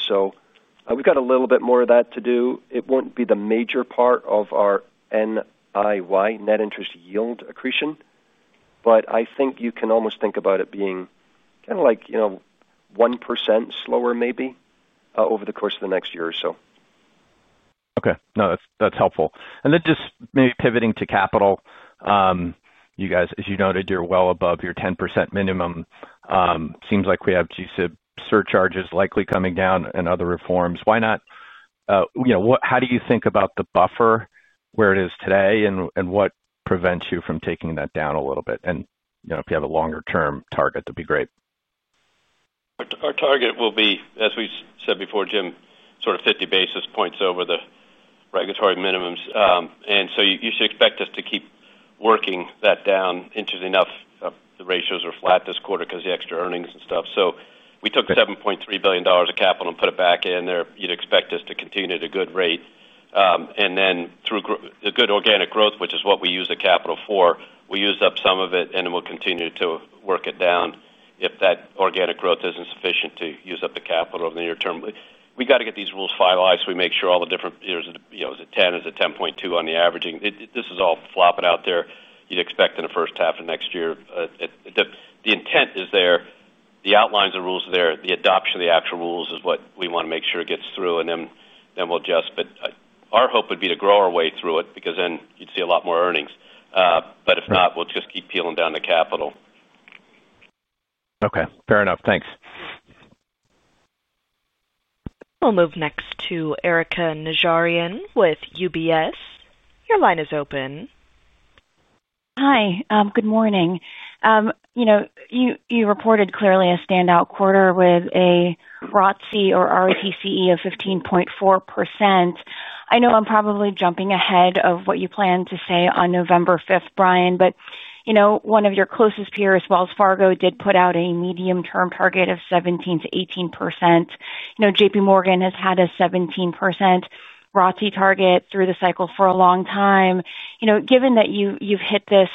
We've got a little bit more of that to do. It won't be the major part of our NII, net interest yield accretion, but I think you can almost think about it being kind of like, you know, 1% slower maybe, over the course of the next year or so. Okay. That's helpful. Maybe pivoting to capital, you guys, as you noted, you're well above your 10% minimum. It seems like we have GSIP surcharges likely coming down and other reforms. Why not, you know, how do you think about the buffer where it is today, and what prevents you from taking that down a little bit? If you have a longer-term target, that'd be great. Our target will be, as we said before, Jim, sort of 50 basis points over the regulatory minimums. You should expect us to keep working that down. Interestingly enough, the ratios are flat this quarter because of the extra earnings and stuff. We took $7.3 billion of capital and put it back in there. You'd expect us to continue at a good rate, and then through the good organic growth, which is what we use the capital for, we use up some of it, and then we'll continue to work it down if that organic growth isn't sufficient to use up the capital over the near term. We got to get these rules finalized so we make sure all the different, you know, is it 10%? Is it 10.2% on the averaging? This is all flopping out there. You'd expect in the first half of next year, the intent is there. The outlines of rules are there. The adoption of the actual rules is what we want to make sure it gets through, and then we'll adjust. Our hope would be to grow our way through it because then you'd see a lot more earnings, but if not, we'll just keep peeling down the capital. Okay. Fair enough. Thanks. We'll move next to Erika Najarian with UBS. Your line is open. Hi. Good morning. You reported clearly a standout quarter with a ROTCE of 15.4%. I know I'm probably jumping ahead of what you plan to say on November 5th, Brian, but one of your closest peers, Wells Fargo, did put out a medium-term target of 17%-18%. JP Morgan has had a 17% ROTCE target through the cycle for a long time. Given that you've hit this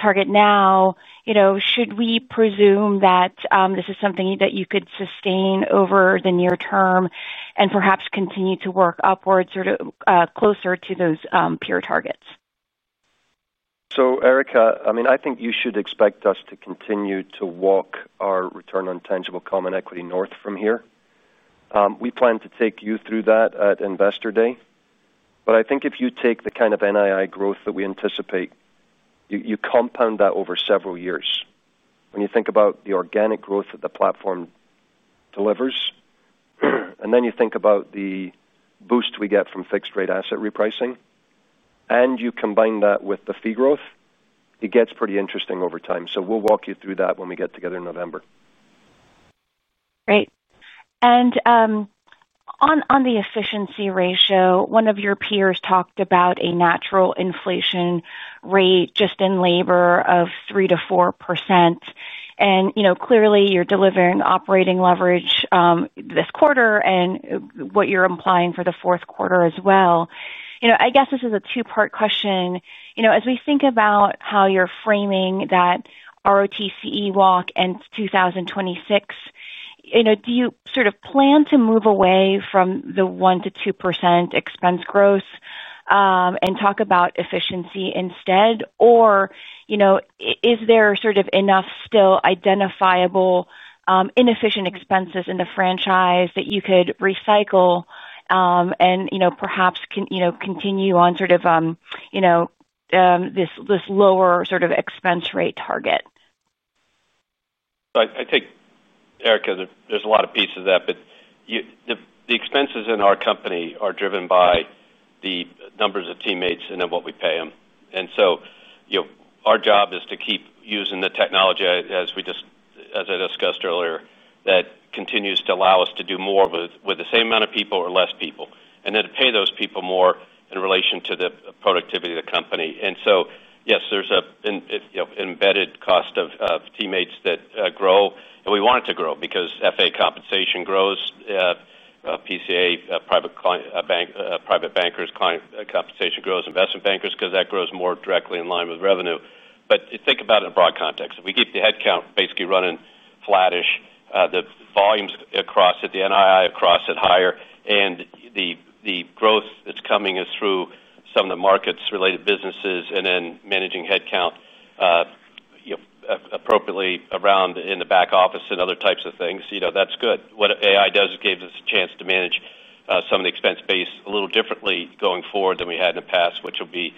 target now, should we presume that this is something that you could sustain over the near term and perhaps continue to work upwards or closer to those peer targets? Erika, I think you should expect us to continue to walk our return on tangible common equity north from here. We plan to take you through that at Investor Day. I think if you take the kind of NII growth that we anticipate, you compound that over several years. When you think about the organic growth that the platform delivers, and then you think about the boost we get from fixed-rate asset repricing, and you combine that with the fee growth, it gets pretty interesting over time. We will walk you through that when we get together in November. Great. On the efficiency ratio, one of your peers talked about a natural inflation rate just in labor of 3%-4%. Clearly, you're delivering operating leverage this quarter and what you're implying for the fourth quarter as well. I guess this is a two-part question. As we think about how you're framing that ROTCE walk and 2026, do you sort of plan to move away from the 1%-2% expense growth, and talk about efficiency instead? Is there sort of enough still identifiable, inefficient expenses in the franchise that you could recycle, and perhaps can continue on this lower sort of expense rate target? I think, Erika, there's a lot of pieces of that, but the expenses in our company are driven by the numbers of teammates and then what we pay them. Our job is to keep using the technology, as I discussed earlier, that continues to allow us to do more with the same amount of people or less people, and then to pay those people more in relation to the productivity of the company. Yes, there's an embedded cost of teammates that grow, and we want it to grow because FA compensation grows, PCA, private client, bank, private bankers' client compensation grows, investment bankers' because that grows more directly in line with revenue. Think about it in a broad context. If we keep the headcount basically running flattish, the volumes across it, the NII across it higher, and the growth that's coming is through some of the markets-related businesses and then managing headcount appropriately around in the back office and other types of things, that's good. What AI does is gives us a chance to manage some of the expense base a little differently going forward than we had in the past, which will be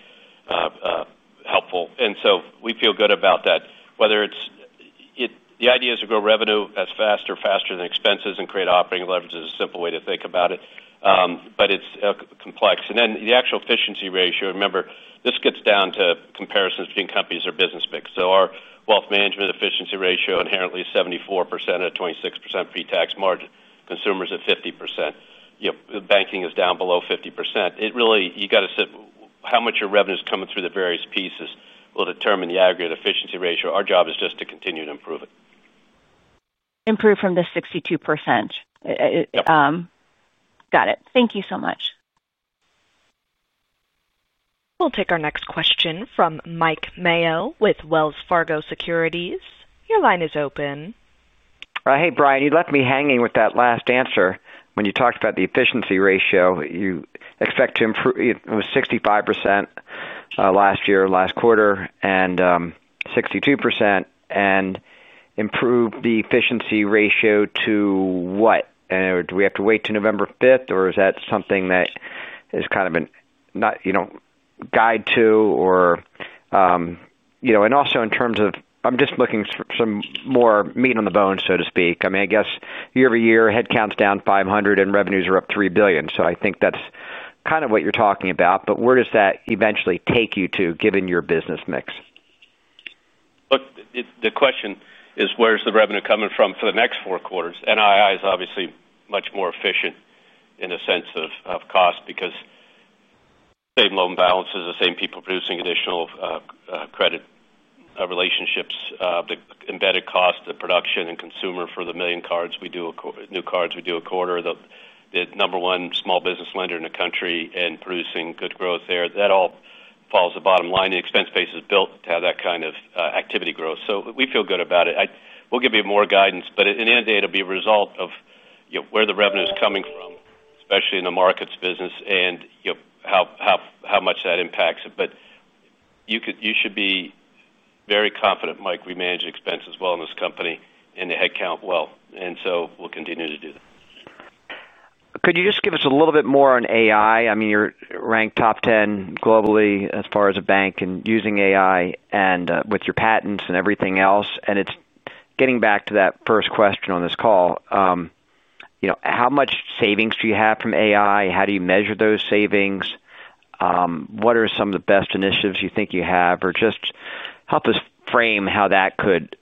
helpful. We feel good about that. Whether the idea is to grow revenue as fast or faster than expenses and create operating leverage is a simple way to think about it, but it's complex. The actual efficiency ratio, remember, this gets down to comparisons between companies or business mix. Our wealth management efficiency ratio inherently is 74% at a 26% pre-tax margin. Consumer is at 50%. Banking is down below 50%. It really, you got to see how much your revenue is coming through the various pieces will determine the aggregate efficiency ratio. Our job is just to continue to improve it. Improve from the 62%? Yeah. Got it. Thank you so much. We'll take our next question from Mike Mayo with Wells Fargo Securities. Your line is open. Brian, you left me hanging with that last answer when you talked about the efficiency ratio. You expect to improve, it was 65% last year, last quarter, and 62% and improve the efficiency ratio to what? Do we have to wait to November 5th, or is that something that is kind of a guide to, or, you know, also in terms of I'm just looking for some more meat on the bones, so to speak. I mean, I guess year-over-year, headcount's down 500 and revenues are up $3 billion. I think that's kind of what you're talking about. Where does that eventually take you to, given your business mix? Look, the question is where's the revenue coming from for the next four quarters? NII is obviously much more efficient in the sense of cost because same loan balances, the same people producing additional credit relationships, the embedded cost of production and consumer for the million cards we do, new cards we do a quarter. The number one small business lender in the country and producing good growth there, that all falls to the bottom line. The expense base is built to have that kind of activity growth. We feel good about it. We'll give you more guidance. In the end, it'll be a result of, you know, where the revenue is coming from, especially in the markets business, and, you know, how much that impacts it. You should be very confident, Mike, we manage expenses well in this company and the headcount well. We'll continue to do that. Could you just give us a little bit more on AI? I mean, you're ranked top 10 globally as far as a bank in using AI, with your patents and everything else. It's getting back to that first question on this call. How much savings do you have from AI? How do you measure those savings? What are some of the best initiatives you think you have? Just help us frame how that could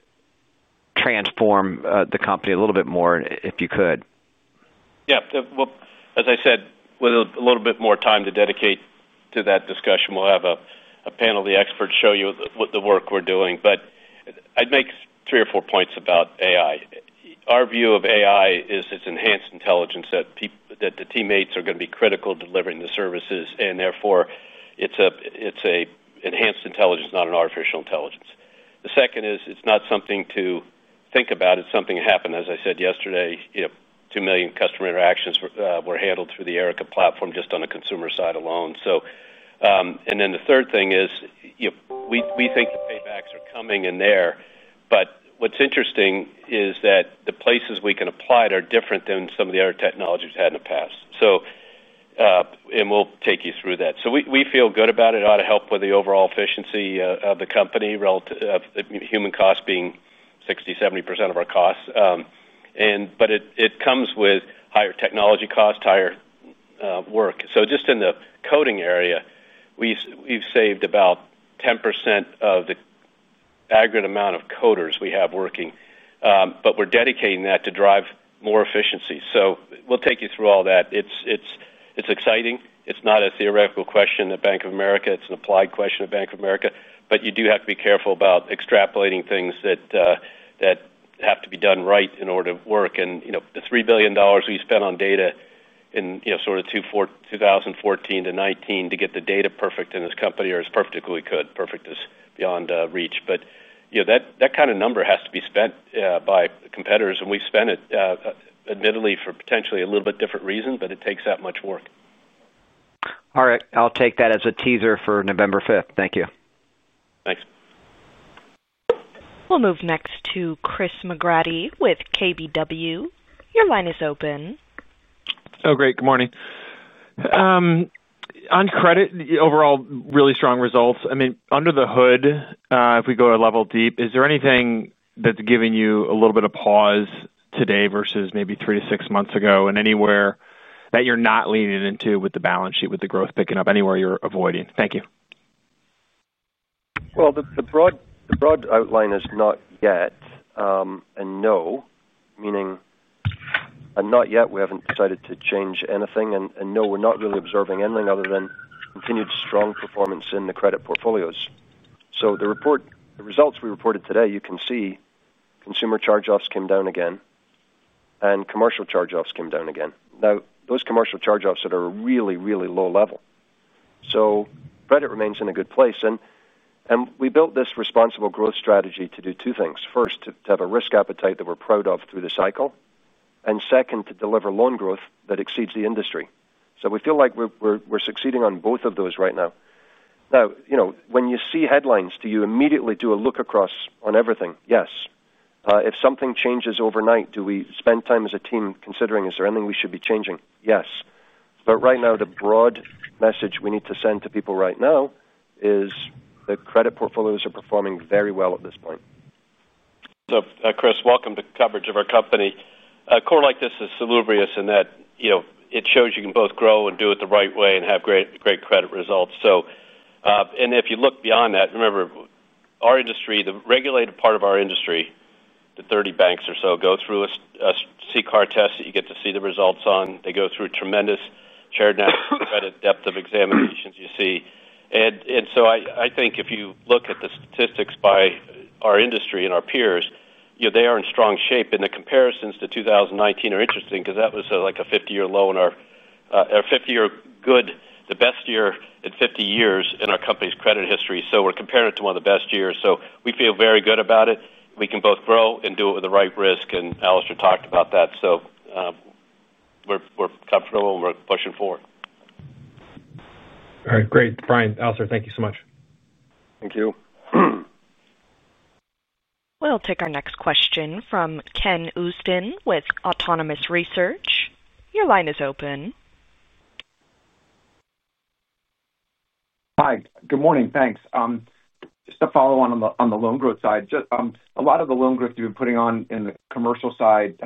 transform the company a little bit more if you could. As I said, with a little bit more time to dedicate to that discussion, we'll have a panel of the experts show you the work we're doing. I'd make three or four points about AI. Our view of AI is it's enhanced intelligence, that the teammates are going to be critical delivering the services, and therefore, it's an enhanced intelligence, not an artificial intelligence. The second is it's not something to think about. It's something that happened. As I said yesterday, 2 million customer interactions were handled through the Erika platform just on the consumer side alone. The third thing is, we think the paybacks are coming in there, but what's interesting is that the places we can apply it are different than some of the other technologies we've had in the past. We'll take you through that. We feel good about it. It ought to help with the overall efficiency of the company, with the human costs being 60% to 70% of our costs, but it comes with higher technology costs, higher work. Just in the coding area, we've saved about 10% of the aggregate amount of coders we have working, but we're dedicating that to drive more efficiency. We'll take you through all that. It's exciting. It's not a theoretical question at Bank of America. It's an applied question at Bank of America. You do have to be careful about extrapolating things that have to be done right in order to work. The $3 billion we spent on data in 2014 to 2019 to get the data perfect in this company, or as perfect as we could—perfect is beyond reach. That kind of number has to be spent by competitors. We've spent it, admittedly for potentially a little bit different reason, but it takes that much work. All right. I'll take that as a teaser for November 5th. Thank you. Thanks. We'll move next to Chris McGratty with KBW. Your line is open. Oh, great. Good morning. On credit, overall really strong results. If we go a level deep, is there anything that's given you a little bit of pause today versus maybe three to six months ago, and anywhere that you're not leaning into with the balance sheet with the growth picking up, anywhere you're avoiding? Thank you. The broad outline is not yet, and no, meaning not yet we haven't decided to change anything. No, we're not really observing anything other than continued strong performance in the credit portfolios. The results we reported today, you can see consumer charge-offs came down again, and commercial charge-offs came down again. Now, those commercial charge-offs are at a really, really low level. Credit remains in a good place. We built this responsible growth strategy to do two things. First, to have a risk appetite that we're proud of through the cycle. Second, to deliver loan growth that exceeds the industry. We feel like we're succeeding on both of those right now. You know, when you see headlines, do you immediately do a look across on everything? Yes. If something changes overnight, do we spend time as a team considering is there anything we should be changing? Yes. Right now, the broad message we need to send to people right now is the credit portfolios are performing very well at this point. Chris, welcome to coverage of our company. A core like this is salubrious in that it shows you can both grow and do it the right way and have great, great credit results. If you look beyond that, remember, our industry, the regulated part of our industry, the 30 banks or so go through a CCAR test that you get to see the results on. They go through tremendous shared national credit depth of examinations you see. I think if you look at the statistics by our industry and our peers, they are in strong shape. The comparisons to 2019 are interesting because that was like a 50-year low, the best year in 50 years in our company's credit history. We're comparing it to one of the best years. We feel very good about it. We can both grow and do it with the right risk. Alastair talked about that. We're comfortable and we're pushing forward. All right. Great. Brian, Alastair, thank you so much. Thank you. We'll take our next question from Ken Usdin with Bernstein Autonomous Research. Your line is open. Hi. Good morning. Thanks. Just a follow-on on the loan growth side. A lot of the loan growth you've been putting on in the commercial side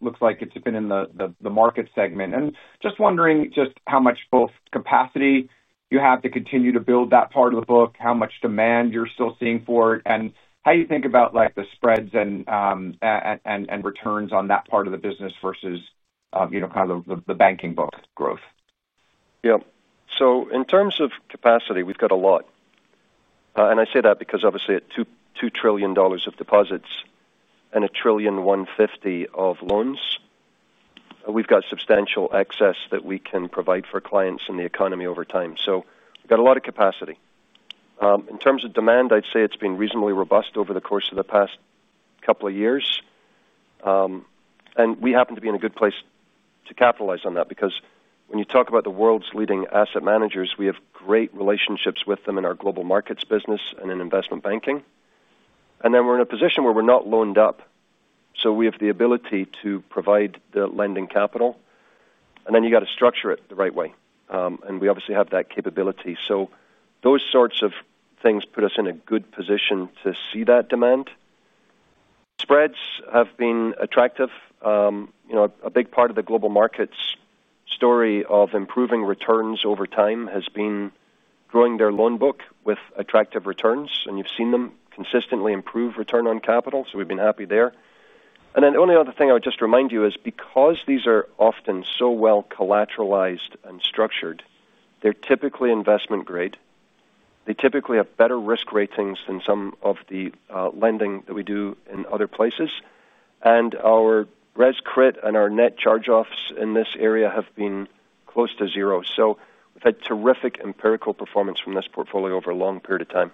looks like it's been in the market segment. I'm just wondering how much capacity you have to continue to build that part of the book, how much demand you're still seeing for it, and how you think about the spreads and returns on that part of the business versus the banking book growth. Yeah. In terms of capacity, we've got a lot. I say that because obviously at $2 trillion of deposits and $1.15 trillion of loans, we've got substantial excess that we can provide for clients in the economy over time. We've got a lot of capacity. In terms of demand, I'd say it's been reasonably robust over the course of the past couple of years. We happen to be in a good place to capitalize on that because when you talk about the world's leading asset managers, we have great relationships with them in our Global Markets business and in investment banking. We're in a position where we're not loaned up, so we have the ability to provide the lending capital. You have to structure it the right way, and we obviously have that capability. Those sorts of things put us in a good position to see that demand. Spreads have been attractive. A big part of the Global Markets story of improving returns over time has been growing their loan book with attractive returns. You've seen them consistently improve return on capital. We've been happy there. The only other thing I would just remind you is because these are often so well collateralized and structured, they're typically investment grade. They typically have better risk ratings than some of the lending that we do in other places. Our res crit and our net charge-offs in this area have been close to zero. We've had terrific empirical performance from this portfolio over a long period of time.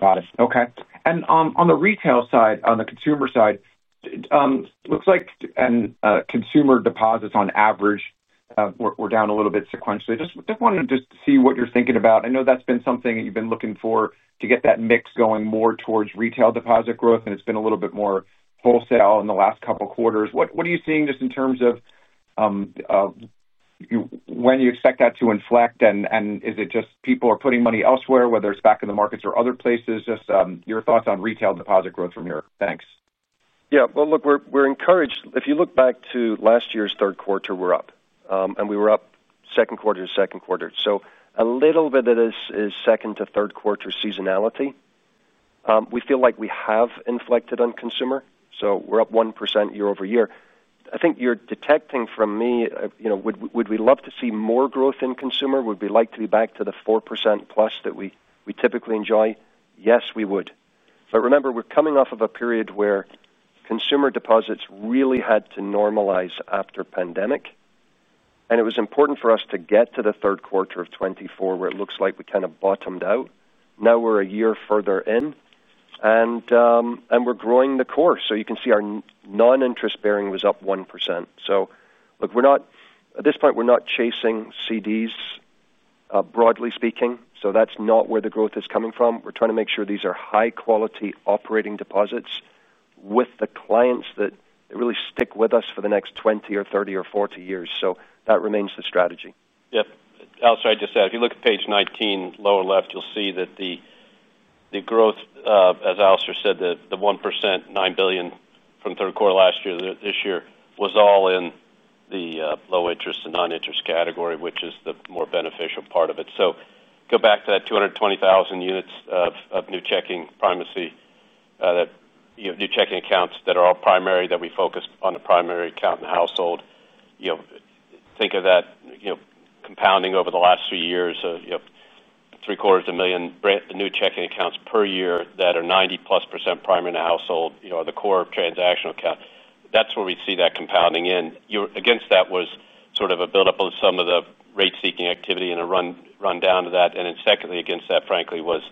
Got it. Okay. On the retail side, on the consumer side, looks like consumer deposits on average were down a little bit sequentially. Just wanted to see what you're thinking about. I know that's been something that you've been looking for to get that mix going more towards retail deposit growth, and it's been a little bit more wholesale in the last couple of quarters. What are you seeing just in terms of when you expect that to inflect? Is it just people are putting money elsewhere, whether it's back in the markets or other places? Just your thoughts on retail deposit growth from here. Thanks. Yeah. Look, we're encouraged. If you look back to last year's third quarter, we're up, and we were up second quarter to second quarter. A little bit of this is second to third quarter seasonality. We feel like we have inflected on consumer. We're up 1% year-over-year. I think you're detecting from me, you know, would we love to see more growth in consumer? Would we like to be back to the 4%+ that we typically enjoy? Yes, we would. Remember, we're coming off of a period where consumer deposits really had to normalize after the pandemic. It was important for us to get to the third quarter of 2024 where it looks like we kind of bottomed out. Now we're a year further in, and we're growing the core. You can see our non-interest bearing was up 1%. At this point, we're not chasing CDs, broadly speaking. That's not where the growth is coming from. We're trying to make sure these are high-quality operating deposits with the clients that really stick with us for the next 20 or 30 or 40 years. That remains the strategy. Yeah. Alastair, I just said, if you look at page 19, lower left, you'll see that the growth, as Alastair said, the 1%, $9 billion from third quarter last year, this year was all in the low interest and non-interest category, which is the more beneficial part of it. Go back to that 220,000 units of new checking primacy, that you have new checking accounts that are all primary, that we focus on the primary account in the household. Think of that compounding over the last few years, three-quarters of a million new checking accounts per year that are 90+% primary in the household, are the core transactional account. That's where we see that compounding in. You're against that was sort of a build-up of some of the rate-seeking activity and a run down to that. Secondly, against that, frankly, was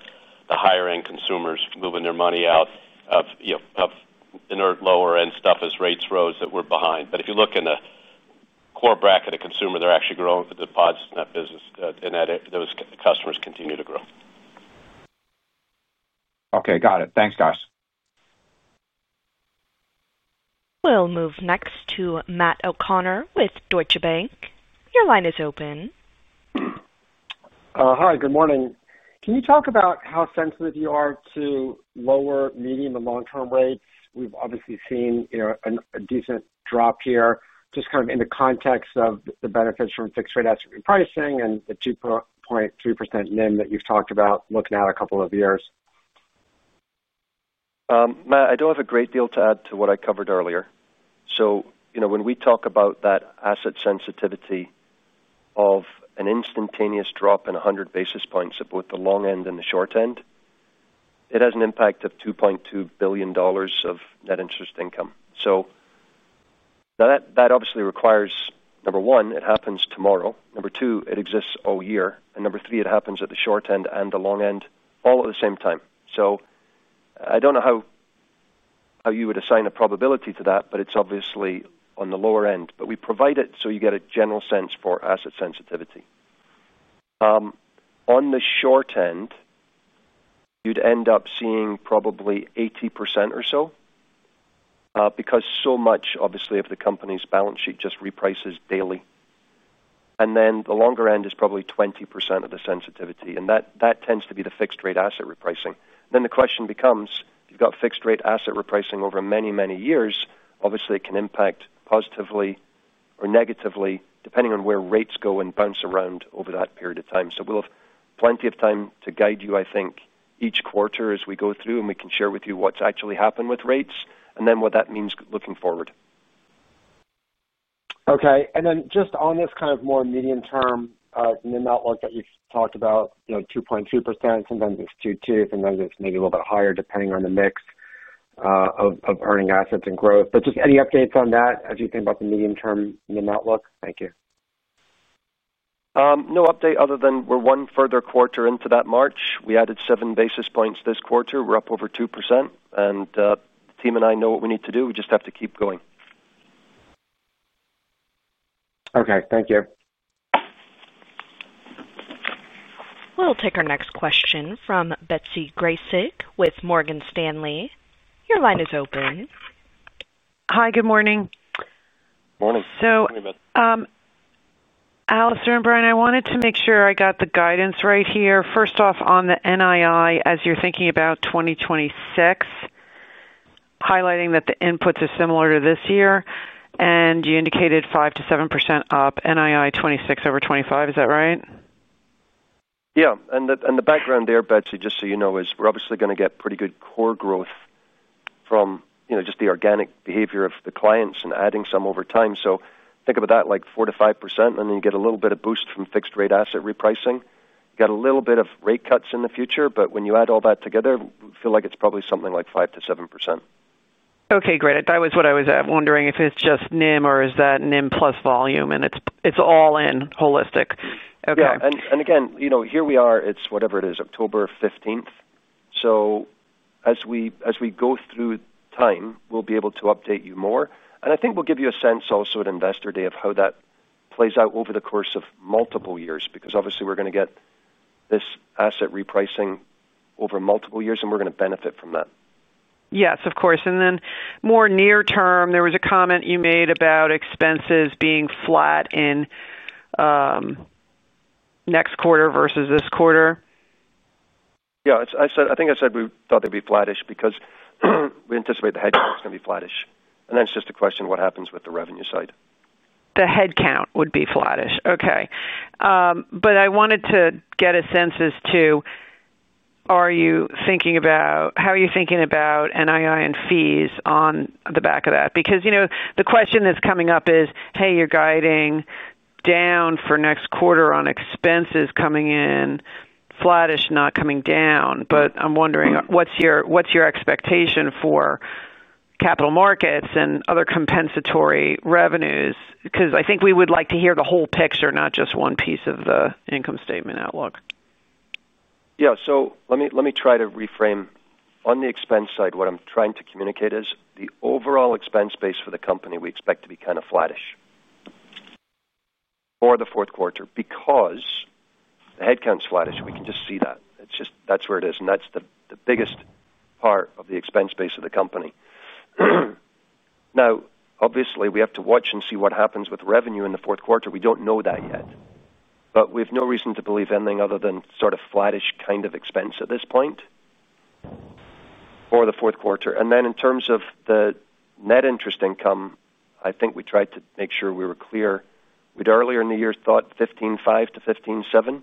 the higher-end consumers moving their money out of inner lower-end stuff as rates rose that we're behind. If you look in the core bracket of consumer, they're actually growing with the deposits in that business, and those customers continue to grow. Okay. Got it. Thanks, guys. We'll move next to Matt O'Connor with Deutsche Bank. Your line is open. Hi. Good morning. Can you talk about how sensitive you are to lower, medium, and long-term rates? We've obviously seen a decent drop here, just kind of in the context of the benefits from fixed-rate asset repricing and the 2.3% NIM that you've talked about looking at a couple of years. Matt, I don't have a great deal to add to what I covered earlier. When we talk about that asset sensitivity of an instantaneous drop in 100 basis points at both the long end and the short end, it has an impact of $2.2 billion of net interest income. That obviously requires, number one, it happens tomorrow. Number two, it exists all year. Number three, it happens at the short end and the long end all at the same time. I don't know how you would assign a probability to that, but it's obviously on the lower end. We provide it so you get a general sense for asset sensitivity. On the short end, you'd end up seeing probably 80% or so, because so much of the company's balance sheet just reprices daily. The longer end is probably 20% of the sensitivity, and that tends to be the fixed-rate asset repricing. The question becomes, if you've got fixed-rate asset repricing over many, many years, it can impact positively or negatively depending on where rates go and bounce around over that period of time. We'll have plenty of time to guide you, I think, each quarter as we go through, and we can share with you what's actually happened with rates and then what that means looking forward. Okay. Just on this kind of more medium-term NIM outlook that you've talked about, you know, 2.2%, sometimes it's 2.2%, sometimes it's maybe a little bit higher depending on the mix of earning assets and growth. Just any updates on that as you think about the medium-term NIM outlook? Thank you. No update other than we're one further quarter into that march. We added 7 basis points this quarter. We're up over 2%. The team and I know what we need to do. We just have to keep going. Okay. Thank you. We'll take our next question from Betsy Graseck with Morgan Stanley. Your line is open. Hi. Good morning. Morning. Morning, Betsy. Alastair and Brian, I wanted to make sure I got the guidance right here. First off, on the NII, as you're thinking about 2026, highlighting that the inputs are similar to this year, and you indicated 5%-7% up NII 2026 over 2025. Is that right? The background there, Betsy, just so you know, is we're obviously going to get pretty good core growth from, you know, just the organic behavior of the clients and adding some over time. Think about that, like 4 to 5%, and then you get a little bit of boost from fixed-rate asset repricing. You got a little bit of rate cuts in the future, but when you add all that together, we feel like it's probably something like 5%-7%. Okay. Great. That was what I was wondering, if it's just NIM or is that NIM plus volume, and it's all in holistic. Okay. Yeah. You know, here we are, it's whatever it is, October 15th. As we go through time, we'll be able to update you more. I think we'll give you a sense also at Investor Day of how that plays out over the course of multiple years because obviously, we're going to get this asset repricing over multiple years, and we're going to benefit from that. Yes, of course. There was a comment you made about expenses being flat in next quarter versus this quarter. Yeah. I said I think I said we thought they'd be flattish because we anticipate the headcount is going to be flattish, and then it's just a question of what happens with the revenue side. The headcount would be flattish. Okay, I wanted to get a sense as to are you thinking about how you're thinking about NII and fees on the back of that? Because, you know, the question that's coming up is, hey, you're guiding down for next quarter on expenses coming in flattish, not coming down. I'm wondering, what's your expectation for capital markets and other compensatory revenues? I think we would like to hear the whole picture, not just one piece of the income statement outlook. Let me try to reframe. On the expense side, what I'm trying to communicate is the overall expense base for the company we expect to be kind of flattish for the fourth quarter because the headcount's flattish. We can just see that. It's just that's where it is, and that's the biggest part of the expense base of the company. Now, obviously, we have to watch and see what happens with revenue in the fourth quarter. We don't know that yet. We have no reason to believe anything other than sort of flattish kind of expense at this point for the fourth quarter. In terms of the net interest income, I think we tried to make sure we were clear. We'd earlier in the year thought $15.5 billion to $15.7 billion.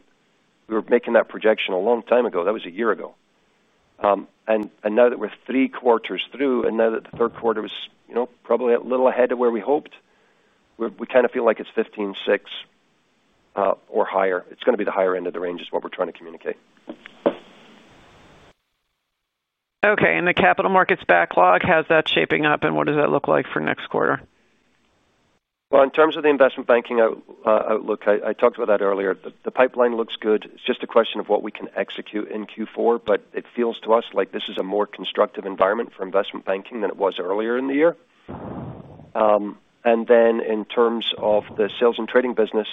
We were making that projection a long time ago. That was a year ago. Now that we're three quarters through and now that the third quarter is probably a little ahead of where we hoped, we kind of feel like it's $15.6 billion or higher. It's going to be the higher end of the range is what we're trying to communicate. Okay. The capital markets backlog, how's that shaping up and what does that look like for next quarter? In terms of the investment banking outlook, I talked about that earlier. The pipeline looks good. It's just a question of what we can execute in Q4, but it feels to us like this is a more constructive environment for investment banking than it was earlier in the year. In terms of the sales and trading business,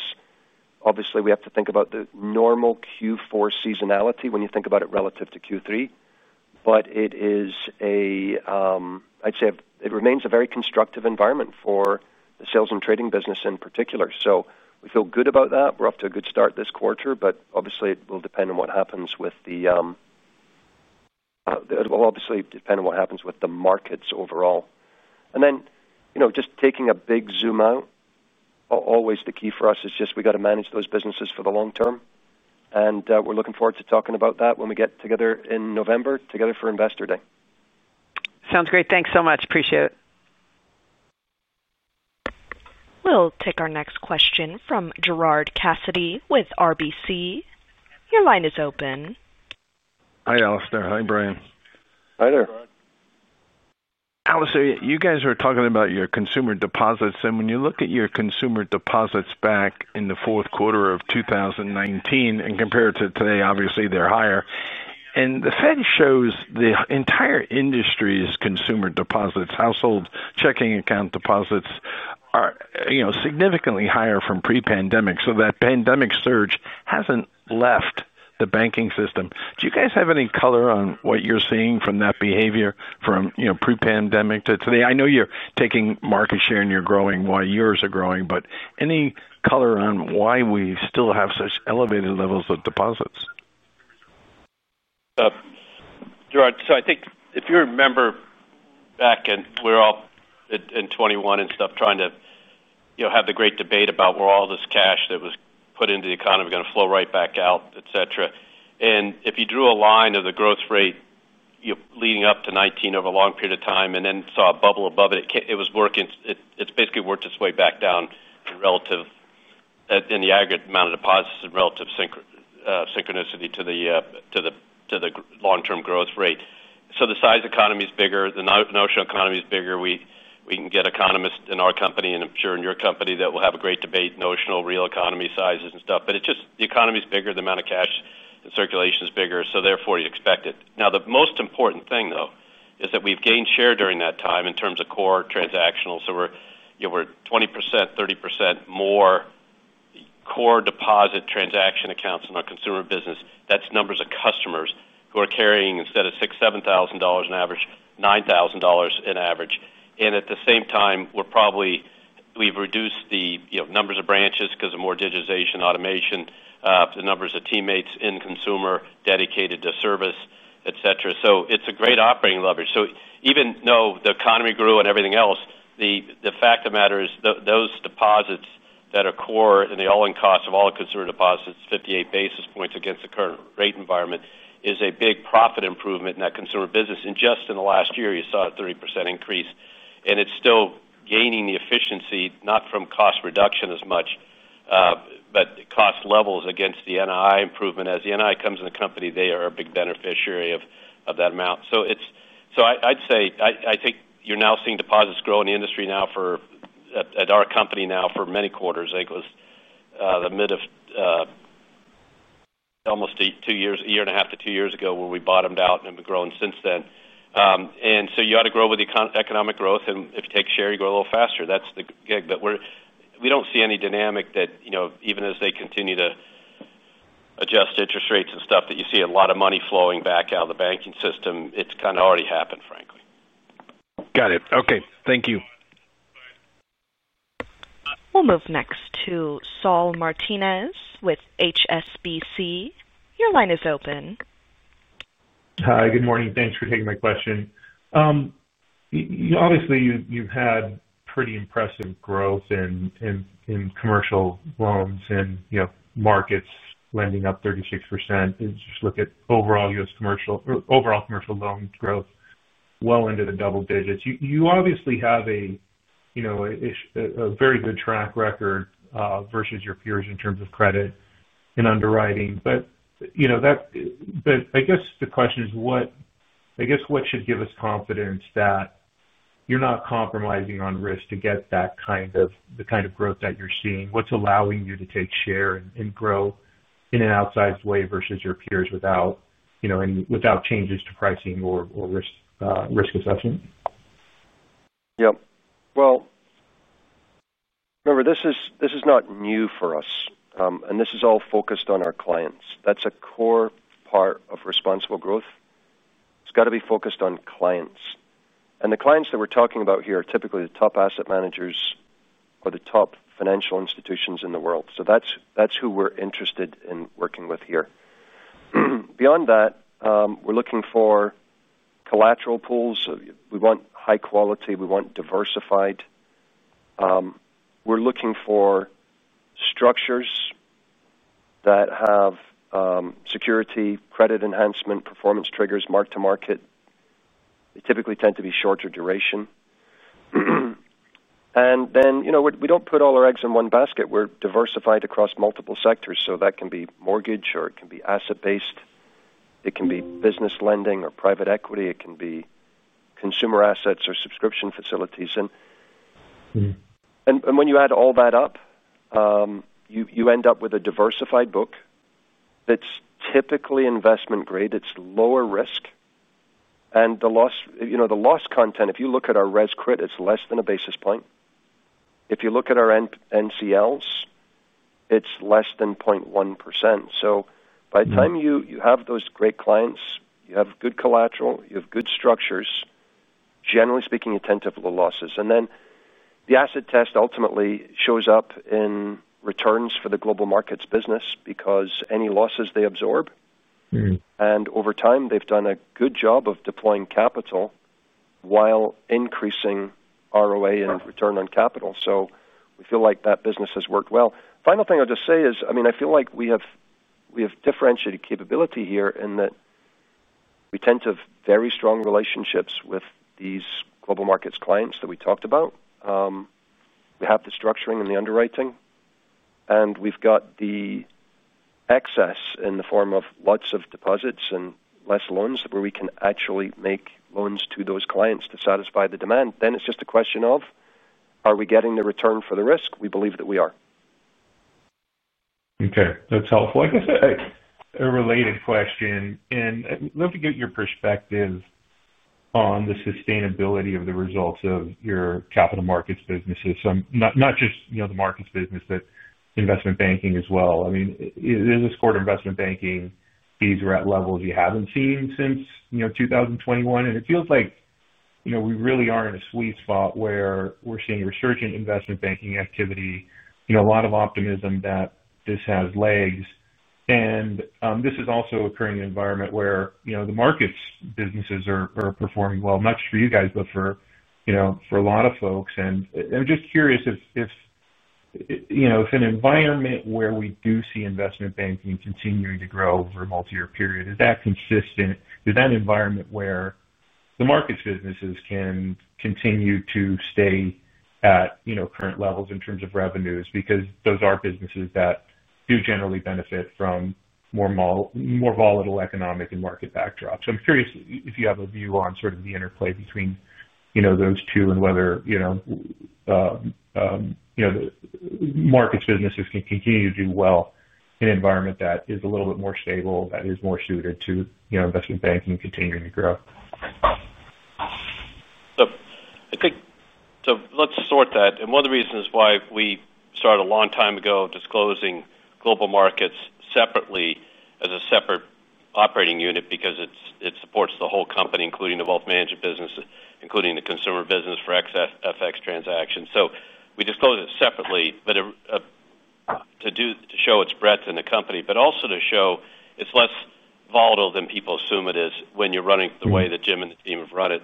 obviously, we have to think about the normal Q4 seasonality when you think about it relative to Q3. But it is. I'd say it remains a very constructive environment for the sales and trading business in particular. We feel good about that. We're off to a good start this quarter, but it will obviously depend on what happens with the markets overall. Just taking a big zoom out, always the key for us is just we got to manage those businesses for the long term. We're looking forward to talking about that when we get together in November for Investor Day. Sounds great. Thanks so much. Appreciate it. We'll take our next question from Gerard Cassidy with RBC. Your line is open. Hi, Alastair. Hi, Brian. Hi there. Alastair, you guys were talking about your consumer deposits, and when you look at your consumer deposits back in the fourth quarter of 2019 and compare it to today, obviously they're higher. The Fed shows the entire industry's consumer deposits, household checking account deposits, are significantly higher from pre-pandemic. That pandemic surge hasn't left the banking system. Do you guys have any color on what you're seeing from that behavior from pre-pandemic to today? I know you're taking market share and you're growing while yours are growing, but any color on why we still have such elevated levels of deposits? Gerard, if you remember back in 2021, we were all trying to, you know, have the great debate about where all this cash that was put into the economy was going to flow right back out, et cetera. If you drew a line of the growth rate leading up to 2019 over a long period of time and then saw a bubble above it, it was working its way back down in the aggregate amount of deposits in relative synchrony to the long-term growth rate. The size of the economy's bigger, the notional economy's bigger. We can get economists in our company, and I'm sure in your company, that will have a great debate about notional and real economy sizes and stuff. It's just the economy's bigger, the amount of cash in circulation's bigger, so therefore you expect it. Now, the most important thing is that we've gained share during that time in terms of core transactional. We're 20%, 30% more core deposit transaction accounts in our consumer business. That's numbers of customers who are carrying instead of $6,000, $7,000 on average, $9,000 on average. At the same time, we've probably reduced the numbers of branches because of more digitization, automation, the numbers of teammates in consumer dedicated to service, et cetera. It's a great operating leverage. Even though the economy grew and everything else, the fact of the matter is those deposits that are core and the all-in cost of all consumer deposits, 58 basis points against the current rate environment, is a big profit improvement in that consumer business. In just the last year, you saw a 30% increase. It's still gaining the efficiency, not from cost reduction as much, but cost levels against the net interest improvement. As the net interest comes in the company, they are a big beneficiary of that amount. I'd say I think you're now seeing deposits grow in the industry now at our company for many quarters. I think it was the middle of almost two years, a year and a half to two years ago, where we bottomed out and have been growing since then. You ought to grow with the economic growth, and if you take share, you grow a little faster. That's the gig. We don't see any dynamic that, even as they continue to adjust interest rates and stuff, that you see a lot of money flowing back out of the banking system. It's kind of already happened, frankly. Got it. Okay. Thank you. We'll move next to Saul Martinez with HSBC. Your line is open. Hi. Good morning. Thanks for taking my question. You know, obviously, you've had pretty impressive growth in commercial loans and markets lending up 36%. Just look at overall U.S. commercial or overall commercial loan growth, well into the double digits. You obviously have a very good track record versus your peers in terms of credit and underwriting. I guess the question is what should give us confidence that you're not compromising on risk to get the kind of growth that you're seeing? What's allowing you to take share and grow in an outsized way versus your peers without any changes to pricing or risk assessment? Yep. Remember, this is not new for us, and this is all focused on our clients. That's a core part of responsible growth. It's got to be focused on clients. The clients that we're talking about here are typically the top asset managers or the top financial institutions in the world. That's who we're interested in working with here. Beyond that, we're looking for collateral pools. We want high quality. We want diversified. We're looking for structures that have security, credit enhancement, performance triggers, mark-to-market. They typically tend to be shorter duration. You know, we don't put all our eggs in one basket. We're diversified across multiple sectors. That can be mortgage, or it can be asset-based. It can be business lending or private equity. It can be consumer assets or subscription facilities. When you add all that up, you end up with a diversified book that's typically investment grade. It's lower risk. The loss content, if you look at our res cred, is less than a basis point. If you look at our NCLs, it's less than 0.1%. By the time you have those great clients, you have good collateral, you have good structures, generally speaking, you tend to have low losses. The asset test ultimately shows up in returns for the Global Markets business because any losses they absorb. Over time, they've done a good job of deploying capital while increasing ROA and return on capital. We feel like that business has worked well. The final thing I'll just say is, I feel like we have differentiated capability here in that we tend to have very strong relationships with these Global Markets clients that we talked about. We have the structuring and the underwriting, and we've got the excess in the form of lots of deposits and less loans where we can actually make loans to those clients to satisfy the demand. It's just a question of, are we getting the return for the risk? We believe that we are. Okay. That's helpful. I guess a related question. I'd love to get your perspective on the sustainability of the results of your capital markets businesses. I'm not just, you know, the markets business, but investment banking as well. I mean, is this quarter investment banking, these are at levels you haven't seen since 2021? It feels like we really are in a sweet spot where we're seeing resurgent investment banking activity, a lot of optimism that this has legs. This is also occurring in an environment where the markets businesses are performing well, not just for you guys, but for a lot of folks. I'm just curious if, you know, if an environment where we do see investment banking continuing to grow over a multi-year period, is that consistent? Is that an environment where the markets businesses can continue to stay at current levels in terms of revenues? Those are businesses that do generally benefit from more volatile economic and market backdrops. I'm curious if you have a view on sort of the interplay between those two and whether the markets businesses can continue to do well in an environment that is a little bit more stable, that is more suited to investment banking continuing to grow. I think let's sort that. One of the reasons why we started a long time ago disclosing Global Markets separately as a separate operating unit is because it supports the whole company, including the Wealth Management business and the Consumer business for excess FX transactions. We disclosed it separately to show its breadth in the company, but also to show it's less volatile than people assume it is when you're running it the way that Jim and the team have run it.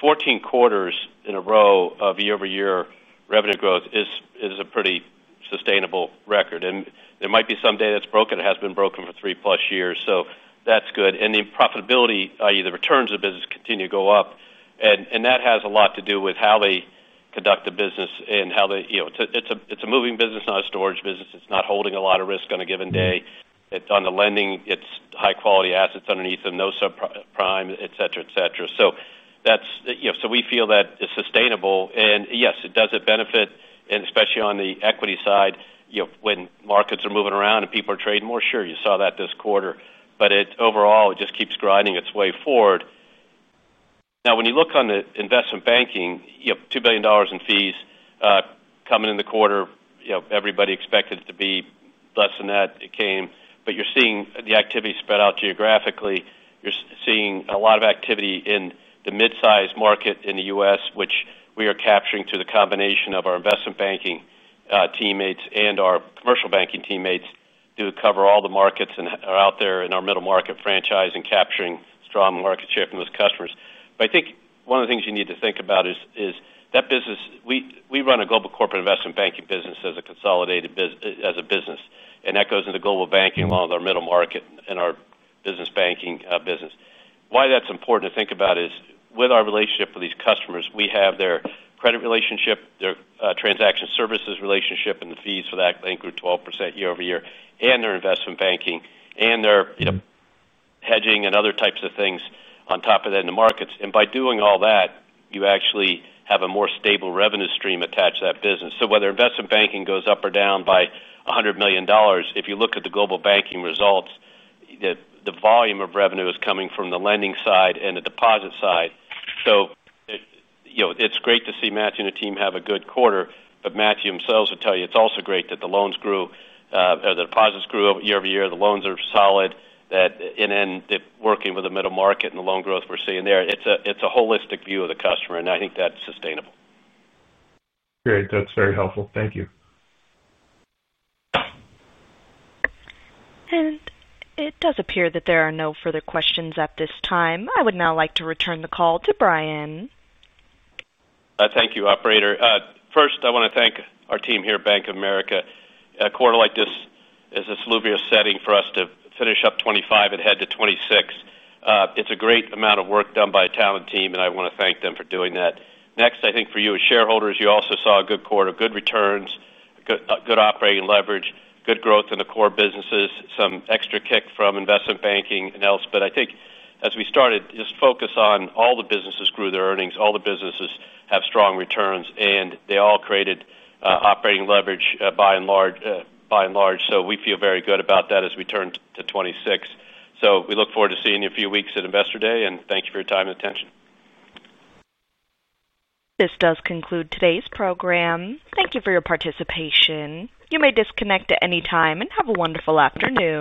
Fourteen quarters in a row of year-over-year revenue growth is a pretty sustainable record. There might be some day that's broken. It has been broken for 3+ years. That's good. The profitability, i.e., the returns of the business, continue to go up. That has a lot to do with how they conduct the business and how they, you know, it's a moving business, not a storage business. It's not holding a lot of risk on a given day. On the lending, it's high-quality assets underneath them, no subprime, et cetera, et cetera. We feel that it's sustainable. Yes, it does benefit, especially on the equity side, when markets are moving around and people are trading more. Sure, you saw that this quarter, but overall, it just keeps grinding its way forward. Now, when you look on the investment banking, $2 billion in fees coming in the quarter, everybody expected it to be less than that. It came. You're seeing the activity spread out geographically. You're seeing a lot of activity in the mid-size market in the U.S., which we are capturing through the combination of our investment banking teammates and our commercial banking teammates to cover all the markets and are out there in our middle market franchise and capturing strong market share from those customers. I think one of the things you need to think about is that business. We run a global corporate investment banking business as a consolidated business. That goes into Global Banking along with our middle market and our business banking business. Why that's important to think about is with our relationship for these customers, we have their credit relationship, their transaction services relationship, and the fees for that anchor 12% year-over-year, and their investment banking, and their hedging and other types of things on top of that in the markets. By doing all that, you actually have a more stable revenue stream attached to that business. Whether investment banking goes up or down by $100 million, if you look at the Global Banking results, the volume of revenue is coming from the lending side and the deposit side. It's great to see Matthew and the team have a good quarter, but Matthew himself would tell you it's also great that the loans grew, or the deposits grew year-over-year, the loans are solid, and then if working with the middle market and the loan growth we're seeing there, it's a holistic view of the customer. I think that's sustainable. Great. That's very helpful. Thank you. It does appear that there are no further questions at this time. I would now like to return the call to Brian. Thank you, operator. First, I wanna thank our team here at Bank of America. A quarter like this is a salubrious setting for us to finish up 2025 and head to 2026. It's a great amount of work done by a talented team, and I wanna thank them for doing that. Next, I think for you as shareholders, you also saw a good quarter, good returns, good operating leverage, good growth in the core businesses, some extra kick from investment banking and else. I think as we started, just focus on all the businesses grew their earnings, all the businesses have strong returns, and they all created operating leverage, by and large, by and large. We feel very good about that as we turn to 2026. We look forward to seeing you in a few weeks at Investor Day, and thank you for your time and attention. This does conclude today's program. Thank you for your participation. You may disconnect at any time and have a wonderful afternoon.